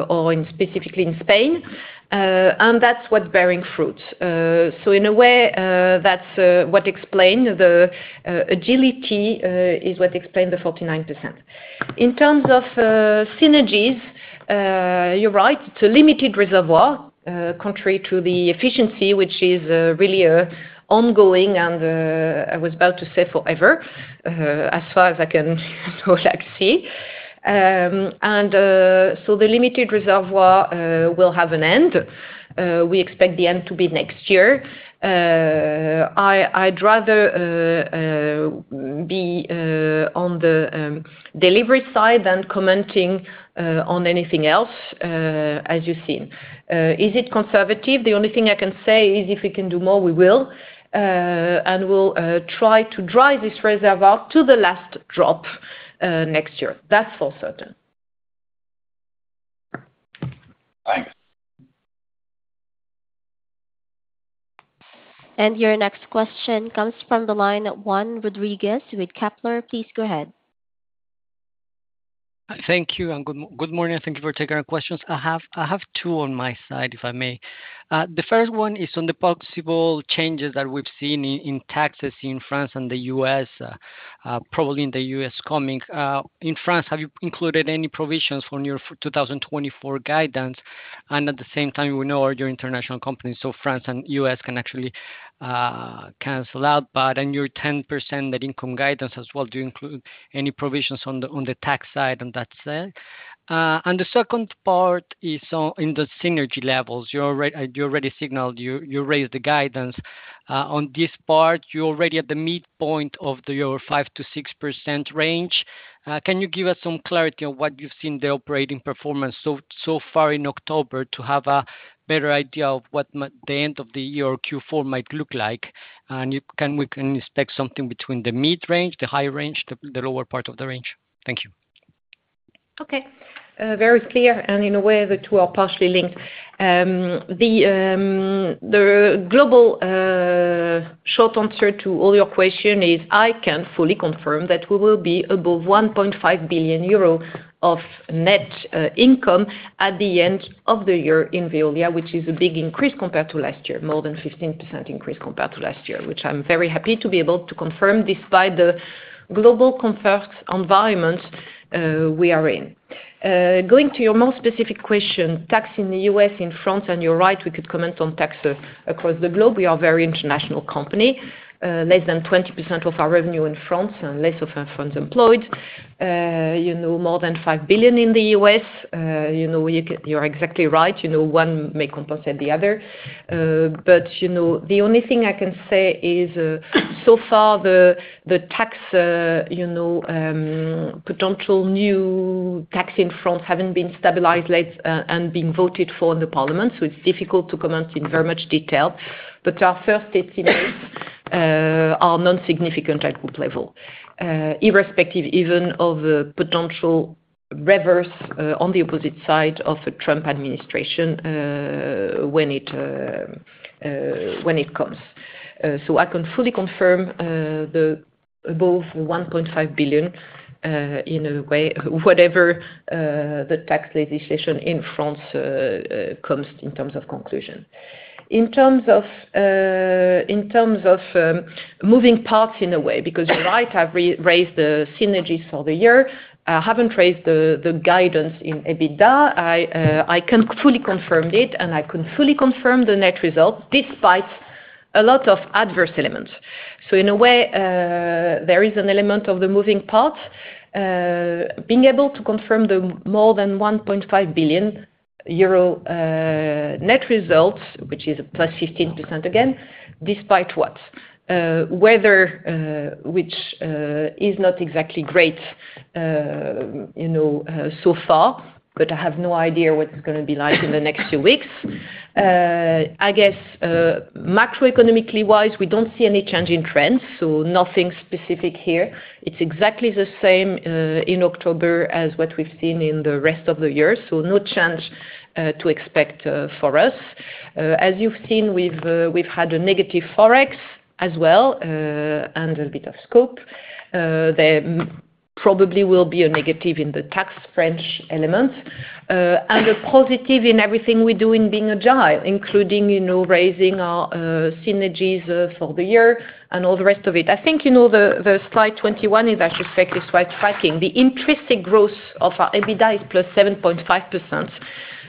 or specifically in Spain. And that's what's bearing fruit. So in a way, that's what explained the agility is what explained the 49%. In terms of synergies, you're right. It's a limited reservoir contrary to the efficiency, which is really ongoing, and I was about to say forever, as far as I can see. And so the limited reservoir will have an end. We expect the end to be next year. I I'd rather be on the delivery side than commenting on anything else, as you've seen. Is it conservative? The only thing I can say is if we can do more, we will, and we'll try to drive this reservoir to the last drop next year. That's for certain. Thanks. And your next question comes from the line of Juan Rodriguez with Kepler Cheuvreux. Please go ahead. Thank you, and good morning. Thank you for taking our questions. I have two on my side, if I may. The first one is on the possible changes that we've seen in taxes in France and the U.S., probably in the U.S. coming. In France, have you included any provisions for your 2024 guidance? And at the same time, we know your international companies, so France and U.S. can actually cancel out. But in your 10% net income guidance as well, do you include any provisions on on the tax side on that side, and the second part is in the synergy levels. You already signaled you raised the guidance. On this part, you're already at the midpoint of your 5%-6% range. Can you give us some clarity on what you've seen in the operating performance so so far in October to have a better idea of what the end of the year or Q4 might look like? And we can expect something between the mid range, the high range, the lower part of the range. Thank you. Okay. Very clear. And in a way, the two are partially linked. The the global short answer to all your questions is I can fully confirm that we will be above 1.5 billion euro of net income at the end of the year in Veolia, which is a big increase compared to last year, more than 15% increase compared to last year, which I'm very happy to be able to confirm despite the global complex environment we are in. Going to your more specific question, tax in the U.S., in France, and you're right, we could comment on taxes across the globe. We are a very international company. Less than 20% of our revenue in France and less of our funds employed. You know more than 5 billion in the U.S. You know you're exactly right. You know one may compensate the other. But you know the only thing I can say is so far, the tax you know the potential new tax in France hasn't been stabilized and let's been voted for in the parliament. So it's difficult to comment in very much detail. But our first estimates are non-significant at group level, irrespective even of a potential reverse on the opposite side of a Trump administration when it when it comes. So I can fully confirm the above 1.5 billion in a way, whatever the tax legislation in France comes in terms of conclusion. In terms of in terms of moving parts in a way, because you're right, I've raised raised the synergies for the year. I haven't raised the the guidance in EBITDA. I can fully confirm it, and I can fully confirm the net result despite a lot of adverse elements. So in a way, there is an element of the moving part. Being able to confirm the more than 1.5 billion euro net results, which is +15% again, despite what? Weather, which is not exactly great you know so far, but I have no idea what it's gonna be like in the next few weeks. I guess macroeconomically wise, we don't see any change in trends. So nothing specific here. It's exactly the same in October as what we've seen in the rest of the year. So no change to expect for us. As you've seen, we've had a negative forex as well and a bit of scope. Then probably will be a negative in the tax French element and a positive in everything we do in being agile, including you know raising our synergies for the year and all the rest of it. I think you know the the slide 21 is, I should say, quite striking. The intrinsic growth of our EBITDA is +7.5%.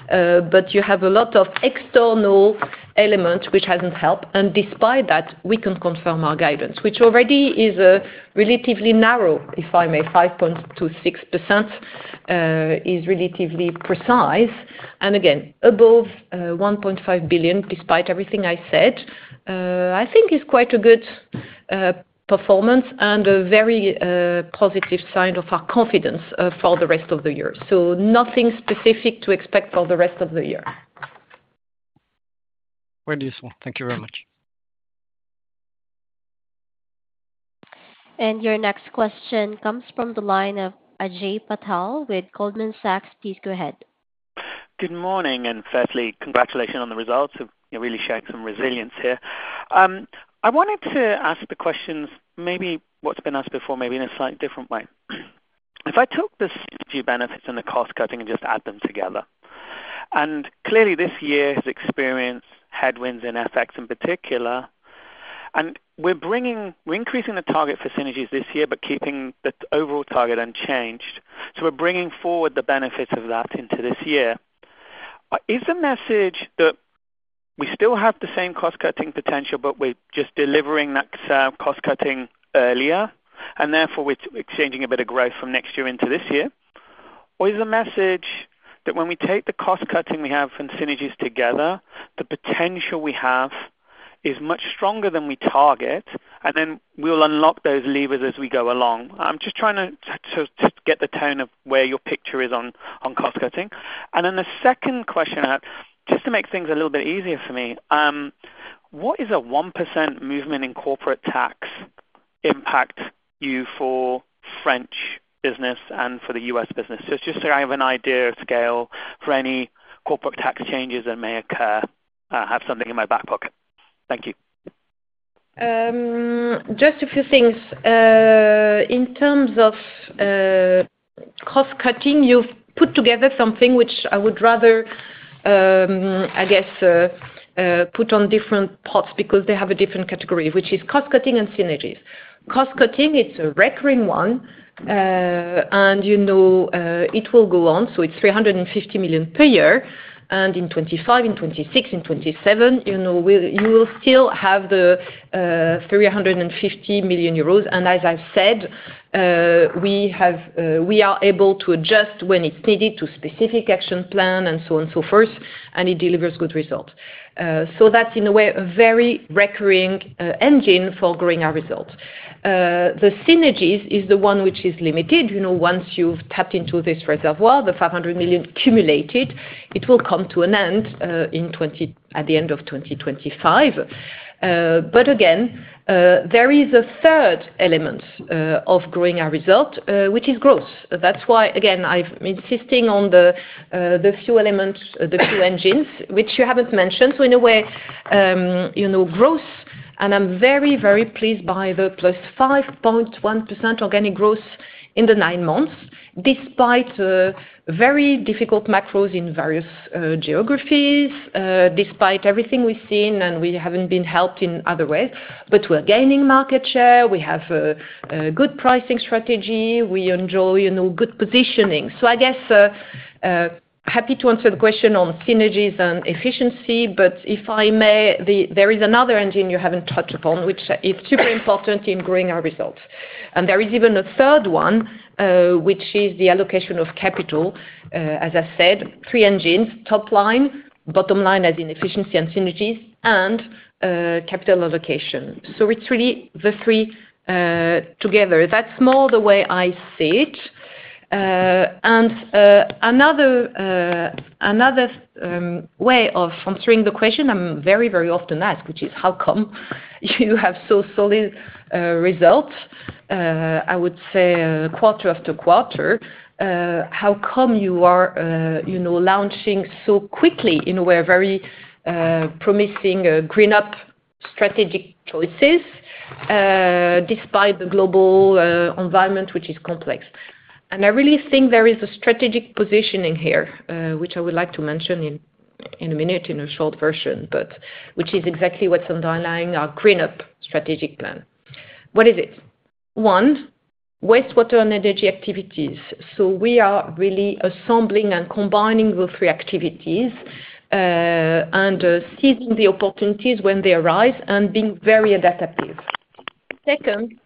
But you have a lot of external elements which hasn't helped. And despite that, we can confirm our guidance, which already is relatively narrow, if I may. 5.26% is relatively precise. And again, above 1.5 billion, despite everything I said, I think it's quite a good performance and a very positive sign of our confidence for the rest of the year. So nothing specific to expect for the rest of the year. Very useful. Thank you very much. And your next question comes from the line of Ajay Patel with Goldman Sachs. Please go ahead. Good morning and firstly, congratulations on the results. You're really showing some resilience here. I wanted to ask the questions, maybe what's been asked before, maybe in a slightly different way. If I took the synergy benefits and the cost cutting and just add them together. And clearly, this year has experienced headwinds in FX effects in particular. We're bringing we're increasing the target for synergies this year, but keeping the overall target unchanged. To bringing forward the benefits of that into this year. Is the message that we still have the same cost cutting potential, but we're just delivering that cost cutting earlier, and therefore we're exchanging a bit of growth from next year into this year? Or is the message that when we take the cost cutting we have and synergies together, the potential we have is much stronger than we target, and then we'll unlock those levers as we go along? I'm just trying to get the tone of where your picture is on cost cutting. And then the second question I have, just to make things a little bit easier for me, what is a 1% movement in corporate tax impact you for French business and for the US business? Just so I have an idea of scale for any corporate tax changes that may occur, have something in my back pocket. Thank you. Just a few things. In terms of cost cutting, you've put together something which I would rather, I guess, put on different parts because they have a different category, which is cost cutting and synergies. Cost cutting, it's a recurring one, and you know it will go on. So it's 350 million per year. And in 2025, in 2026, in 2027, you know you will still have the 350 million euros. And as I've said, we are able to adjust when it's needed to specific action plan and so on and so forth, and it delivers good results. So that's, in a way, a very recurring engine for growing our results. The synergies is the one which is limited. You know once you've tapped into this reservoir, the 500 million cumulated, it will come to an end at the end of 2025. But again, there is a third element of growing our result, which is growth. That's why, again, I'm insisting on the few elements, the few engines, which you haven't mentioned. So in a way, you know growth, and I'm very, very pleased by the +5.1% organic growth in the nine months, despite very difficult macros in various geographies, despite everything we've seen, and we haven't been helped in other ways. But we're gaining market share. We have a good pricing strategy. We enjoy you know good positioning. So I guess happy to answer the question on synergies and efficiency, but if I may, there is another engine you haven't touched upon, which is super important in growing our results. And there is even a third one, which is the allocation of capital. As I said, three engines, top line, bottom line as in efficiency and synergies, and capital allocation. So it's really the three together. That's more the way I see it. And another another way of answering the question I'm very, very often asked, which is how come you have so solid results? I would say quarter after quarter, how come you are you know launching so quickly in a way very promising GreenUp strategic choices despite the global environment, which is complex? And I really think there is a strategic positioning here, which I would like to mention in a minute in a short version, which is exactly what's underlying our GreenUp strategic plan. What is it? One, wastewater and energy activities. So we are really assembling and combining those three activities and seizing the opportunities when they arise and being very adaptive. Second,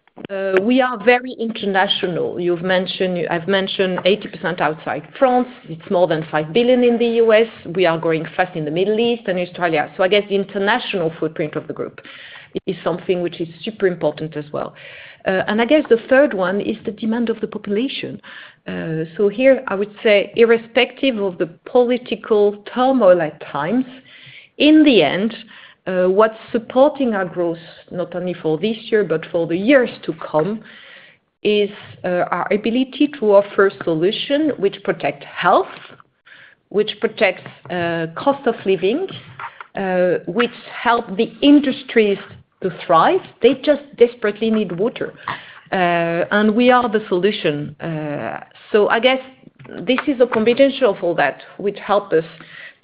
we are very international. You've mentioned I've mentioned 80% outside France. It's more than 5 billion in the US. We are growing fast in the Middle East and Australia. So I guess the international footprint of the group is something which is super important as well. And I guess the third one is the demand of the population. So here, I would say, irrespective of the political turmoil at times, in the end, what's supporting our growth, not only for this year, but for the years to come, is our ability to offer solutions which protect health, which protect cost of living, which help the industries to thrive. They just desperately need water. And we are the solution. So I guess this is a combination of all that, which helps us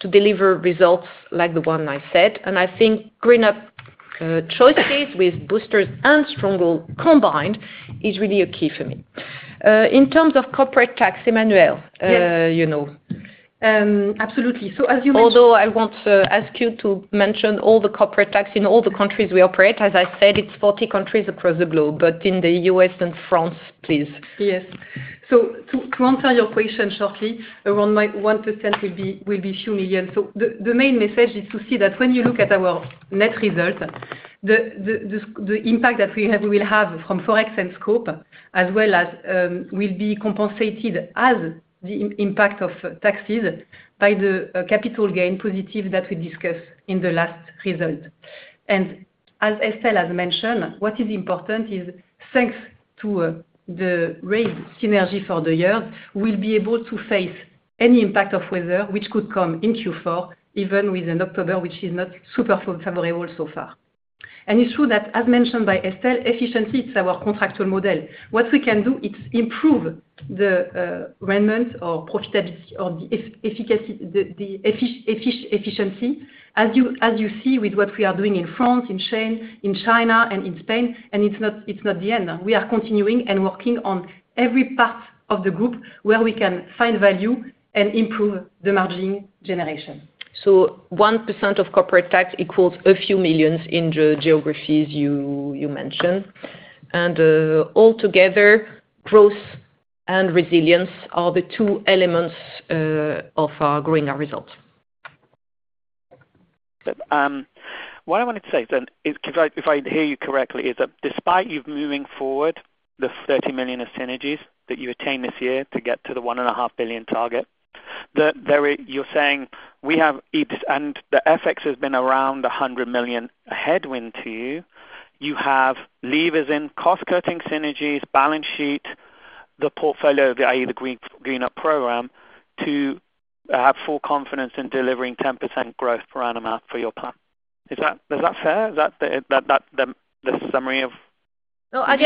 to deliver results like the one I said. And I think GreenUp choices with boosters and stronghold combined is really a key for me. In terms of corporate tax, Emmanuelle you know. Absolutely. So as you mentioned. Although I want to ask you to mention all the corporate tax in all the countries we operate. As I said, it's 40 countries across the globe, but in the U.S. and France, please. Yes. So to answer your question shortly, around 1% will be a few millions. So the main message is to see that when you look at our net result, the impact that we will have from forex and scope, as well as will be compensated as the impact of taxes by the capital gain positive that we discussed in the last result. And as Estelle has mentioned, what is important is thanks to the raised synergy for the years, we'll be able to face any impact of weather which could come in Q4, even with an October which is not super favorable so far. And it's true that, as mentioned by Estelle, efficiency is our contractual model. What we can do is improve the rendement or profitability or the efficiency, as you see with what we are doing in France, in China, in Spain, and it's not the end. We are continuing and working on every part of the group where we can find value and improve the margin generation. So 1% of corporate tax equals a few million in the geographies you you mentioned. And altogether, growth and resilience are the two elements of our growing our results. What I wanna say, if I hear you correctly, is that despite you moving forward the 30 million of synergies that you attained this year to get to the 1.5 billion target, they're you're saying we have and the FX has been around 100 million headwind to you. You have levers in cost-cutting synergies, balance sheet, the portfolio, i.e., the GreenUp program to have full confidence in delivering 10% growth per annum for your plan. Is that fair? Is that the summary of? No, I guess I may. I think you're some. No, but. The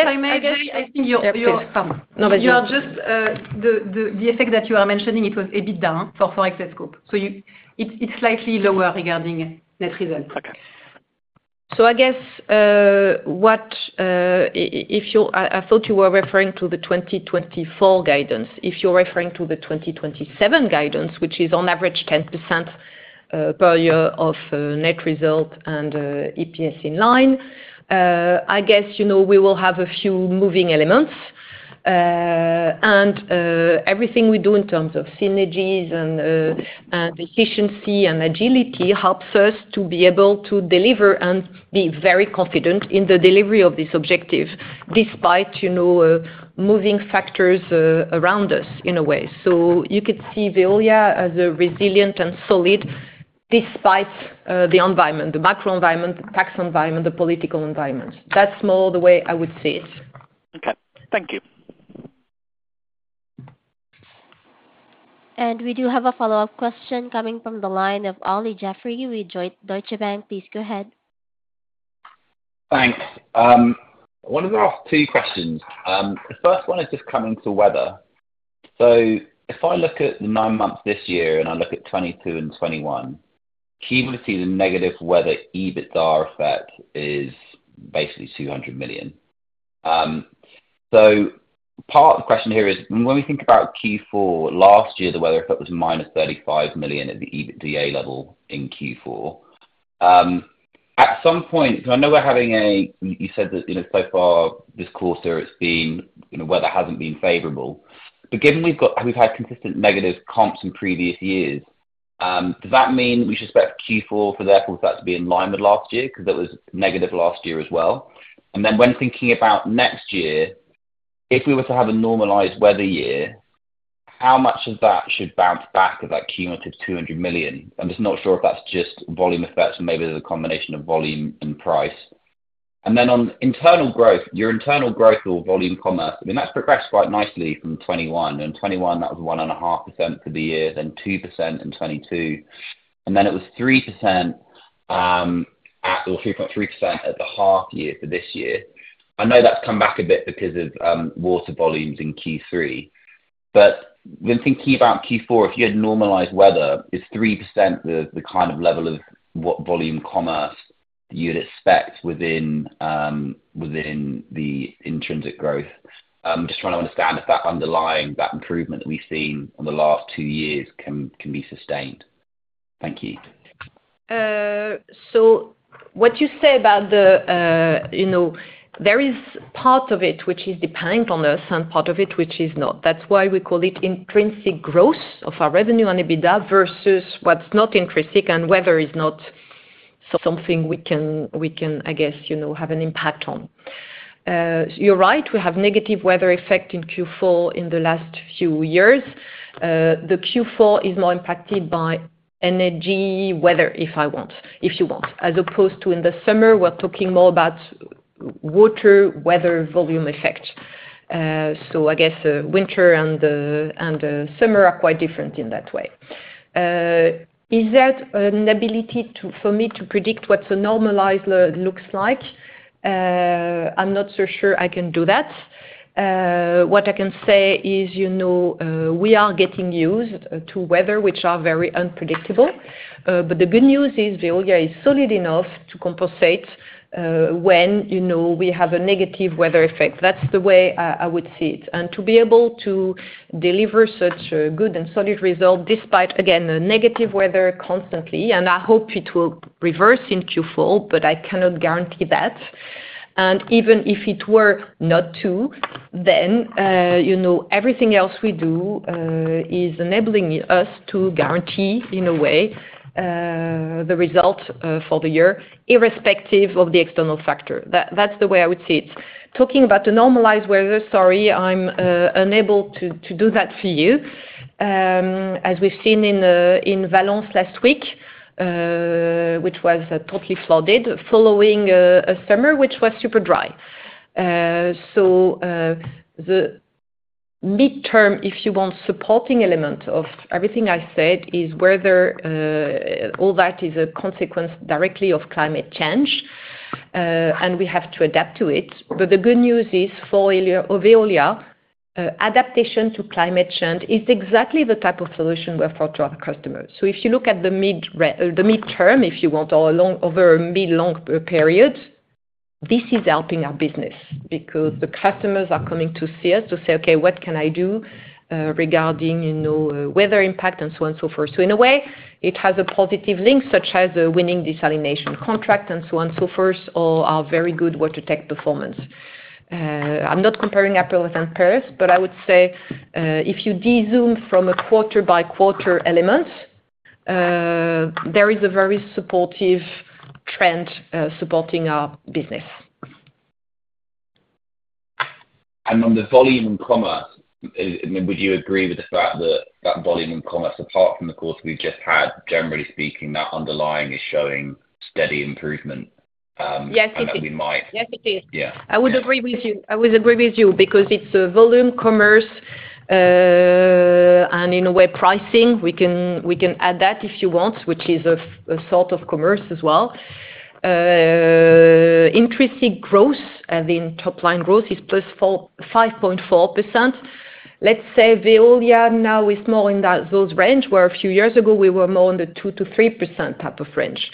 effect that you are mentioning, it was EBITDA for forex and scope. So it's slightly lower regarding net result. Okay, so I guess what if I thought you were referring to the 2024 guidance, if you're referring to the 2027 guidance, which is on average 10% per year of net result and EPS in line, I guess you know we will have a few moving elements. And everything we do in terms of synergies and efficiency and agility helps us to be able to deliver and be very confident in the delivery of this objective despite you know moving factors around us in a way. So you could see Veolia as resilient and solid despite the environment, the macro environment, the tax environment, the political environment. That's more the way I would see it. Okay. Thank you. And we do have a follow-up question coming from the line of Olly Jeffery. We joined. Deutsche Bank, please go ahead. Thanks. One of our two questions. The first one is just coming to weather. So if I look at the nine months this year and I look at 2022 and 2021, the cumulative negative weather EBITDA effect is basically 200 million. So part of the question here is when we think about Q4, last year, the weather effect was -35 million at the EBITDA level in Q4. At some point, you know we're having a, you said that you know you said that so far this quarter, it's been you know weather hasn't been favorable. But given we've had consistent negative comps in previous years, does that mean we should expect Q4 for that to be in line with last year because it was negative last year as well? And then when thinking about next year, if we were to have a normalized weather year, how much of that should bounce back of that cumulative 200 million? I'm just not sure if that's just volume effects, maybe there's a combination of volume and price. And then on internal growth, your internal growth or volume commerce, I mean, that's progressed quite nicely from 2021. In 2021, that was 1.5% for the year, then 2% in 2022. And then it was 3% or 3.3% at the half year for this year. I know that's come back a bit because of water volumes in Q3. But when thinking about Q4, if you had normalized weather, it's 3% the kind of level of volume commerce you'd expect within within the intrinsic growth. I'm just trying to understand if that underlying improvement that we've seen in the last two years can be sustained. Thank you. So what you say about that. You know there is part of it which is dependent on us and part of it which is not. That's why we call it intrinsic growth of our revenue and EBITDA versus what's not intrinsic and weather is not something we can we can, I guess, have an impact on. You're right. We have negative weather effect in Q4 in the last few years. The Q4 is more impacted by energy weather, if you want, as opposed to in the summer, we're talking more about water weather volume effect. So I guess winter and summer are quite different in that way. Is there an ability for me to predict what the normalized looks like? I'm not so sure I can do that. What I can say is you know we are getting used to weather which are very unpredictable. But the good news is Veolia is solid enough to compensate when you know we have a negative weather effect. That's the way I would see it. And to be able to deliver such a good and solid result despite, again the, negative weather constantly, and I hope it will reverse in Q4, but I cannot guarantee that. And even if it were not to, then you know everything else we do is enabling us to guarantee, in a way, the result for the year, irrespective of the external factor. That's the way I would see it. Talking about the normalized weather, sorry, I'm unable to do that for you. As we've seen in Valence last week, which was totally flooded following a summer which was super dry. So the mid-term, if you want, supporting element of everything I said is weather all that is a consequence directly of climate change, and we have to adapt to it. But the good news is for Veolia, adaptation to climate change is exactly the type of solution we've thought of our customers. So if you look at the mid-term, if you want, or over a mid-long period, this is helping our business because the customers are coming to see us to say, "Okay, what can I do regarding weather impact and so on and so forth?" So in a way, it has a positive link, such as winning desalination contract and so on and so forth, or our very good water tech performance. I'm not comparing apples with oranges, but I would say if you de-zoom from a quarter-by-quarter element, there is a very supportive trend supporting our business. And on the volume and commerce, would you agree with the fact that that volume and commerce, apart from the course we've just had, generally speaking, that underlying is showing steady improvement? Yes, it is. Yes, it is. I would agree with you. I would agree with you because it's volume, commerce, and in a way, pricing. We can we can add that if you want, which is a sort of commerce as well. Intrinsic growth, as in top-line growth, is 5.4%. Let's say Veolia now is more in those range, where a few years ago, we were more in the 2%-3% type of range.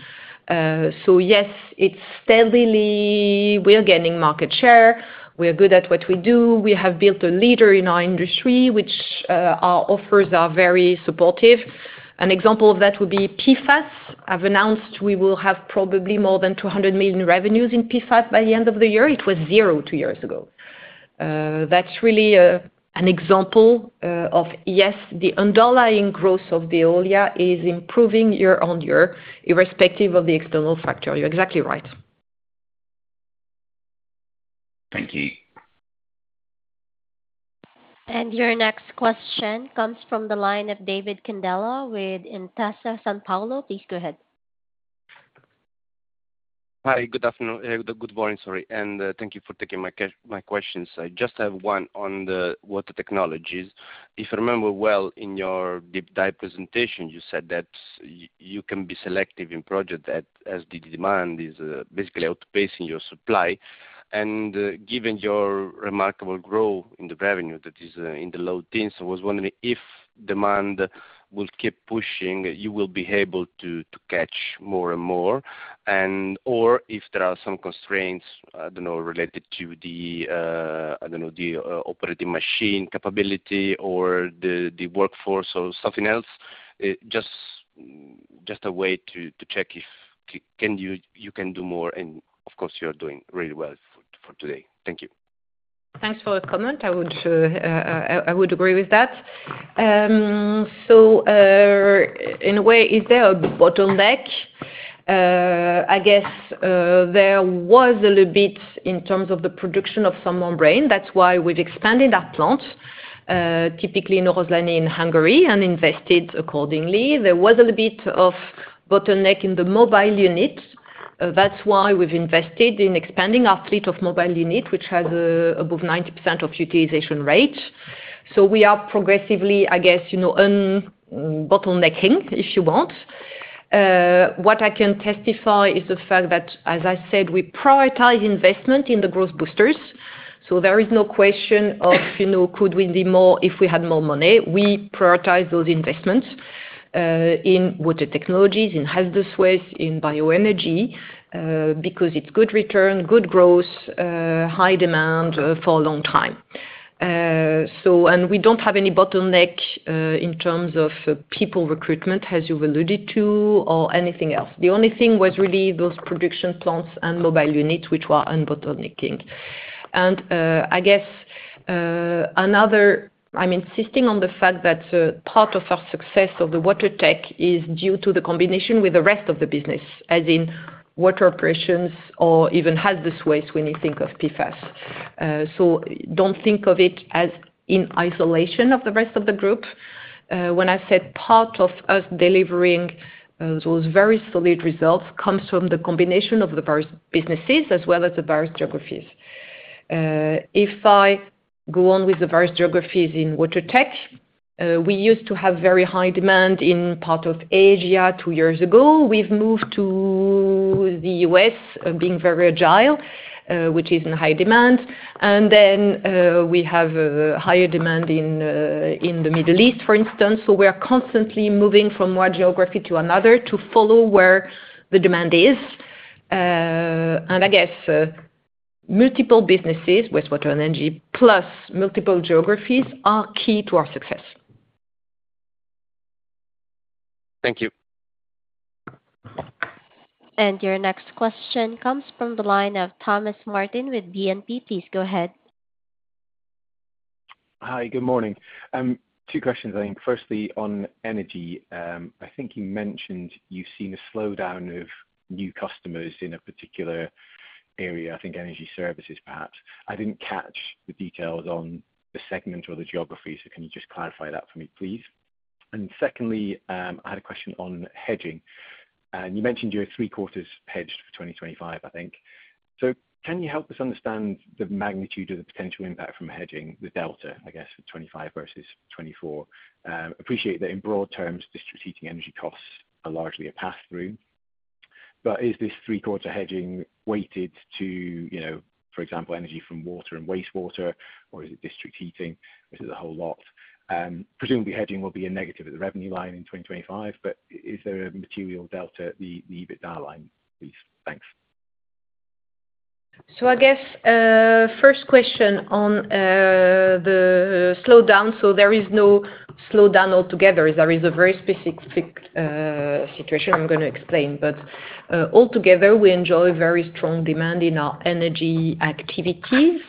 So yes, it's steadily we're gaining market share. We're good at what we do. We have built a leader in our industry, which our offers are very supportive. An example of that would be PFAS. I've announced we will have probably more than 200 million revenues in PFAS by the end of the year. It was zero two years ago. That's really an example of, yes, the underlying growth of Veolia is improving year on year, irrespective of the external factor. You're exactly right. Thank you. And your next question comes from the line of Davide Candela with Intesa Sanpaolo. Please go ahead. Hi. Good afternoon, good morning. Sorry. And thank you for taking my questions. So I just have one on the water technologies. If I remember well in your deep dive presentation, you said that you can be selective in projects as the demand is basically outpacing your supply. And given your remarkable growth in the revenue, that is in the low teens, I was wondering if demand will keep pushing, you will be able to catch more and more, or if there are some constraints, I don't know, related to the, I don't know, the operating machine capability or the the workforce or something else, its just just a way to check if you can do more. And of course, you're doing really well. Thank you. Thanks for the comment. I would I would agree with that. So in a way, is there a bottleneck? I guess there was a little bit in terms of the production of some membrane. That's why we've expanded our plant, typically in Oroszlány in Hungary, and invested accordingly. There was a little bit of bottleneck in the mobile unit. And that's why we've invested in expanding our fleet of mobile units, which has above 90% utilization rate. So we are progressively, I guess, you know bottlenecking, if you want. What I can testify is the fact that, as I said, we prioritize investment in the growth boosters. So there is no question of, you know could we be more if we had more money? We prioritize those investments in water technologies, in hazardous waste, in bioenergy because it's good return, good growth, high demand for a long time. And so we don't have any bottleneck in terms of people recruitment, as you've alluded to, or anything else. The only thing was really those production plants and mobile units, which were unbottlenecking. And I guess another. I'm insisting on the fact that part of our success of the Water Tech is due to the combination with the rest of the business, as in water operations or even hazardous waste when you think of PFAS. So don't think of it as in isolation of the rest of the group. When I said part of us delivering those very solid results comes from the combination of the various businesses as well as the various geographies. If I go on with the various geographies in Water Tech, we used to have very high demand in part of Asia two years ago. We've moved to the U.S., being very agile, which is in high demand. And then we have higher demand in the Middle East, for instance. So we're constantly moving from one geography to another to follow where the demand is. And I guess multiple businesses, wastewater energy, plus multiple geographies are key to our success. Thank you. And your next question comes from the line of Thomas Martin with BNP. Please go ahead. Hi. Good morning. Two questions, I think. Firstly, on energy. I think you mentioned you've seen a slowdown of new customers in a particular area, I think energy services, perhaps. I didn't catch the details on the segment or the geography. So can you just clarify that for me, please? And secondly, I had a question on hedging. And you mentioned you're three-quarters hedged for 2025, I think. So can you help us understand the magnitude of the potential impact from hedging, the delta, I guess, for 2025 versus 2024? Appreciate that in broad terms, district heating energy costs are largely a pass-through. But is this three-quarters hedging weighted to, you know for example, energy from water and wastewater, or is it district heating? Is it a whole lot? Presumably, hedging will be a negative at the revenue line in 2025, but is there a material delta at the EBITDA line, please? Thanks. So I guess first question on the slowdown. So there is no slowdown altogether. There is a very specific situation I'm going to explain. But altogether, we enjoy very strong demand in our energy activities,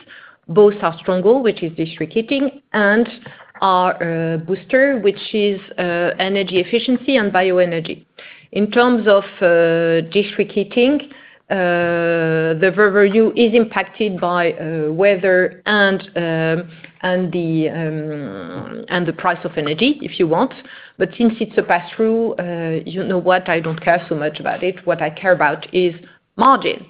both our strong goal, which is district heating, and our booster, which is energy efficiency and bioenergy. In terms of district heating, the revenue is impacted by weather and and the price of energy, if you want. But since it's a pass-through, you know what? I don't care so much about it. What I care about is margin.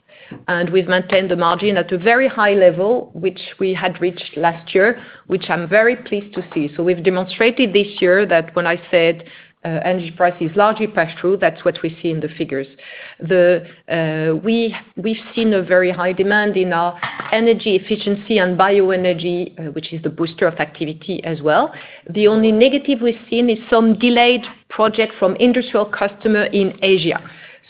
And we've maintained the margin at a very high level, which we had reached last year, which I'm very pleased to see. So we've demonstrated this year that when I said energy price is largely pass-through, that's what we see in the figures. Thev we we've seen a very high demand in our energy efficiency and bioenergy, which is the booster of activity as well. The only negative we've seen is some delayed project from industrial customers in Asia.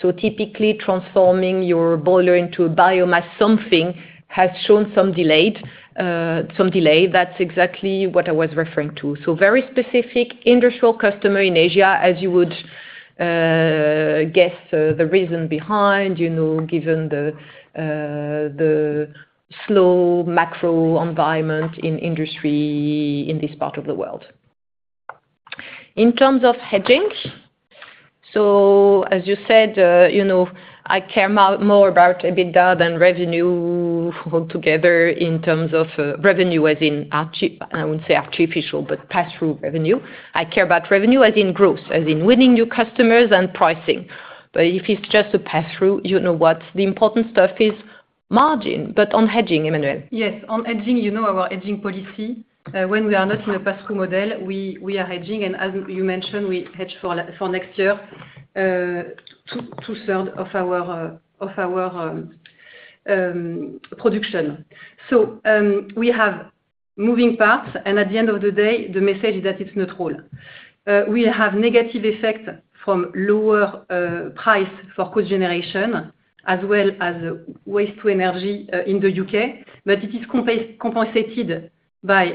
So typically, transforming your boiler into a biomass something has shown some delayed sone delay. That's exactly what I was referring to. So very specific industrial customers in Asia, as you would guess the reason behind, you know given the the slow macro environment in industry in this part of the world. In terms of hedging, so as you said, you know I care more about EBITDA than revenue altogether in terms of revenue, as in, I wouldn't say artificial, but pass-through revenue. I care about revenue, as in growth, as in winning new customers and pricing. But if it's just a pass-through, you know what the important stuff is? Margin. But on hedging, Emmanuelle? Yes. On hedging, you know our hedging policy. When we are not in a pass-through model, we we are hedging. And as you mentioned, we hedge for next year two-thirds of our of our whole production. So we have moving parts. And at the end of the day, the message is that it's neutral. We have negative effects from lower price for cogeneration, as well as waste to energy in the U.K.. But it is compensated by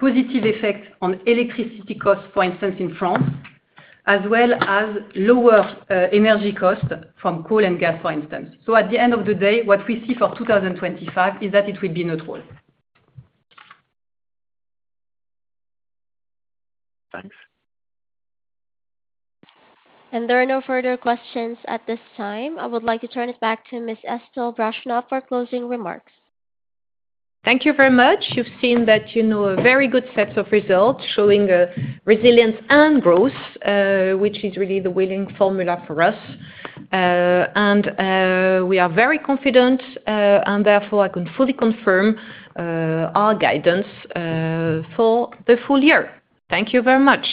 positive effects on electricity costs, for instance, in France, as well as lower energy costs from coal and gas, for instance. So at the end of the day, what we see for 2025 is that it will be neutral. Thanks. And there are no further questions at this time. I would like to turn it back to Ms. Estelle Brachlianoff for closing remarks. Thank you very much. You've seen that you know a very good set of results showing resilience and growth, which is really the winning formula for us. And we are very confident, and therefore, I can fully confirm our guidance for the full year. Thank you very much.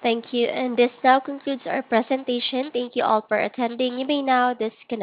Thank you. And this now concludes our presentation. Thank you all for attending. You may now disconnect.